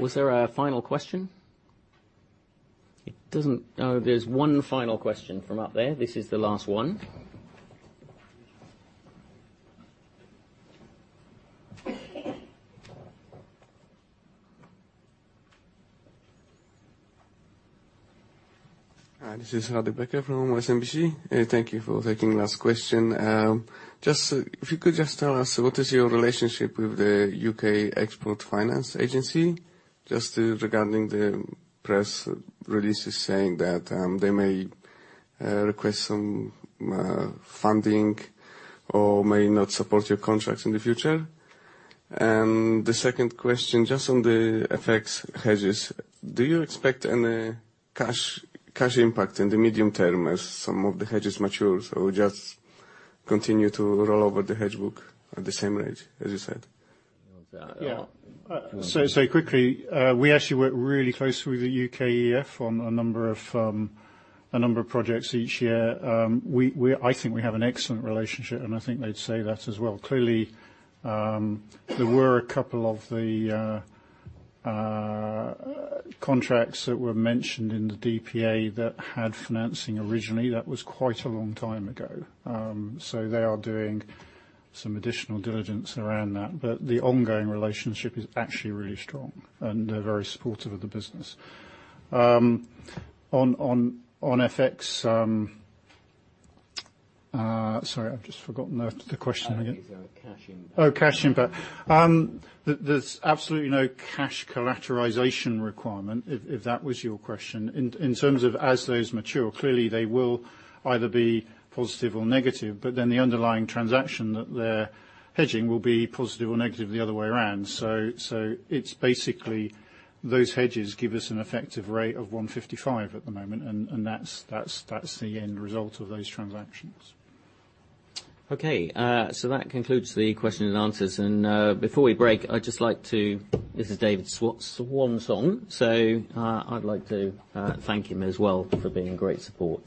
Was there a final question? There's one final question from up there. This is the last one. Hi, this is Harry Breach from HSBC. Thank you for taking last question. If you could just tell us what is your relationship with the UK Export Finance, just regarding the press releases saying that they may request some funding or may not support your contracts in the future? The second question, just on the FX hedges, do you expect any cash impact in the medium term as some of the hedges mature, or just continue to roll over the hedge book at the same rate, as you said? Yeah. Quickly, we actually work really closely with the UKEF on a number of projects each year. I think we have an excellent relationship, and I think they'd say that as well. Clearly, there were a couple of the contracts that were mentioned in the DPA that had financing originally. That was quite a long time ago. They are doing some additional diligence around that. The ongoing relationship is actually really strong, and they're very supportive of the business. On FX Sorry, I've just forgotten the question again. It is cash impact. Oh, cash impact. There's absolutely no cash collateralization requirement, if that was your question. In terms of as those mature. Clearly, they will either be positive or negative, the underlying transaction that they're hedging will be positive or negative the other way around. It's basically those hedges give us an effective rate of 155 at the moment, and that's the end result of those transactions. Okay. That concludes the question and answers. Before we break, I'd just like to- This is David Swanson, I'd like to thank him as well for being a great support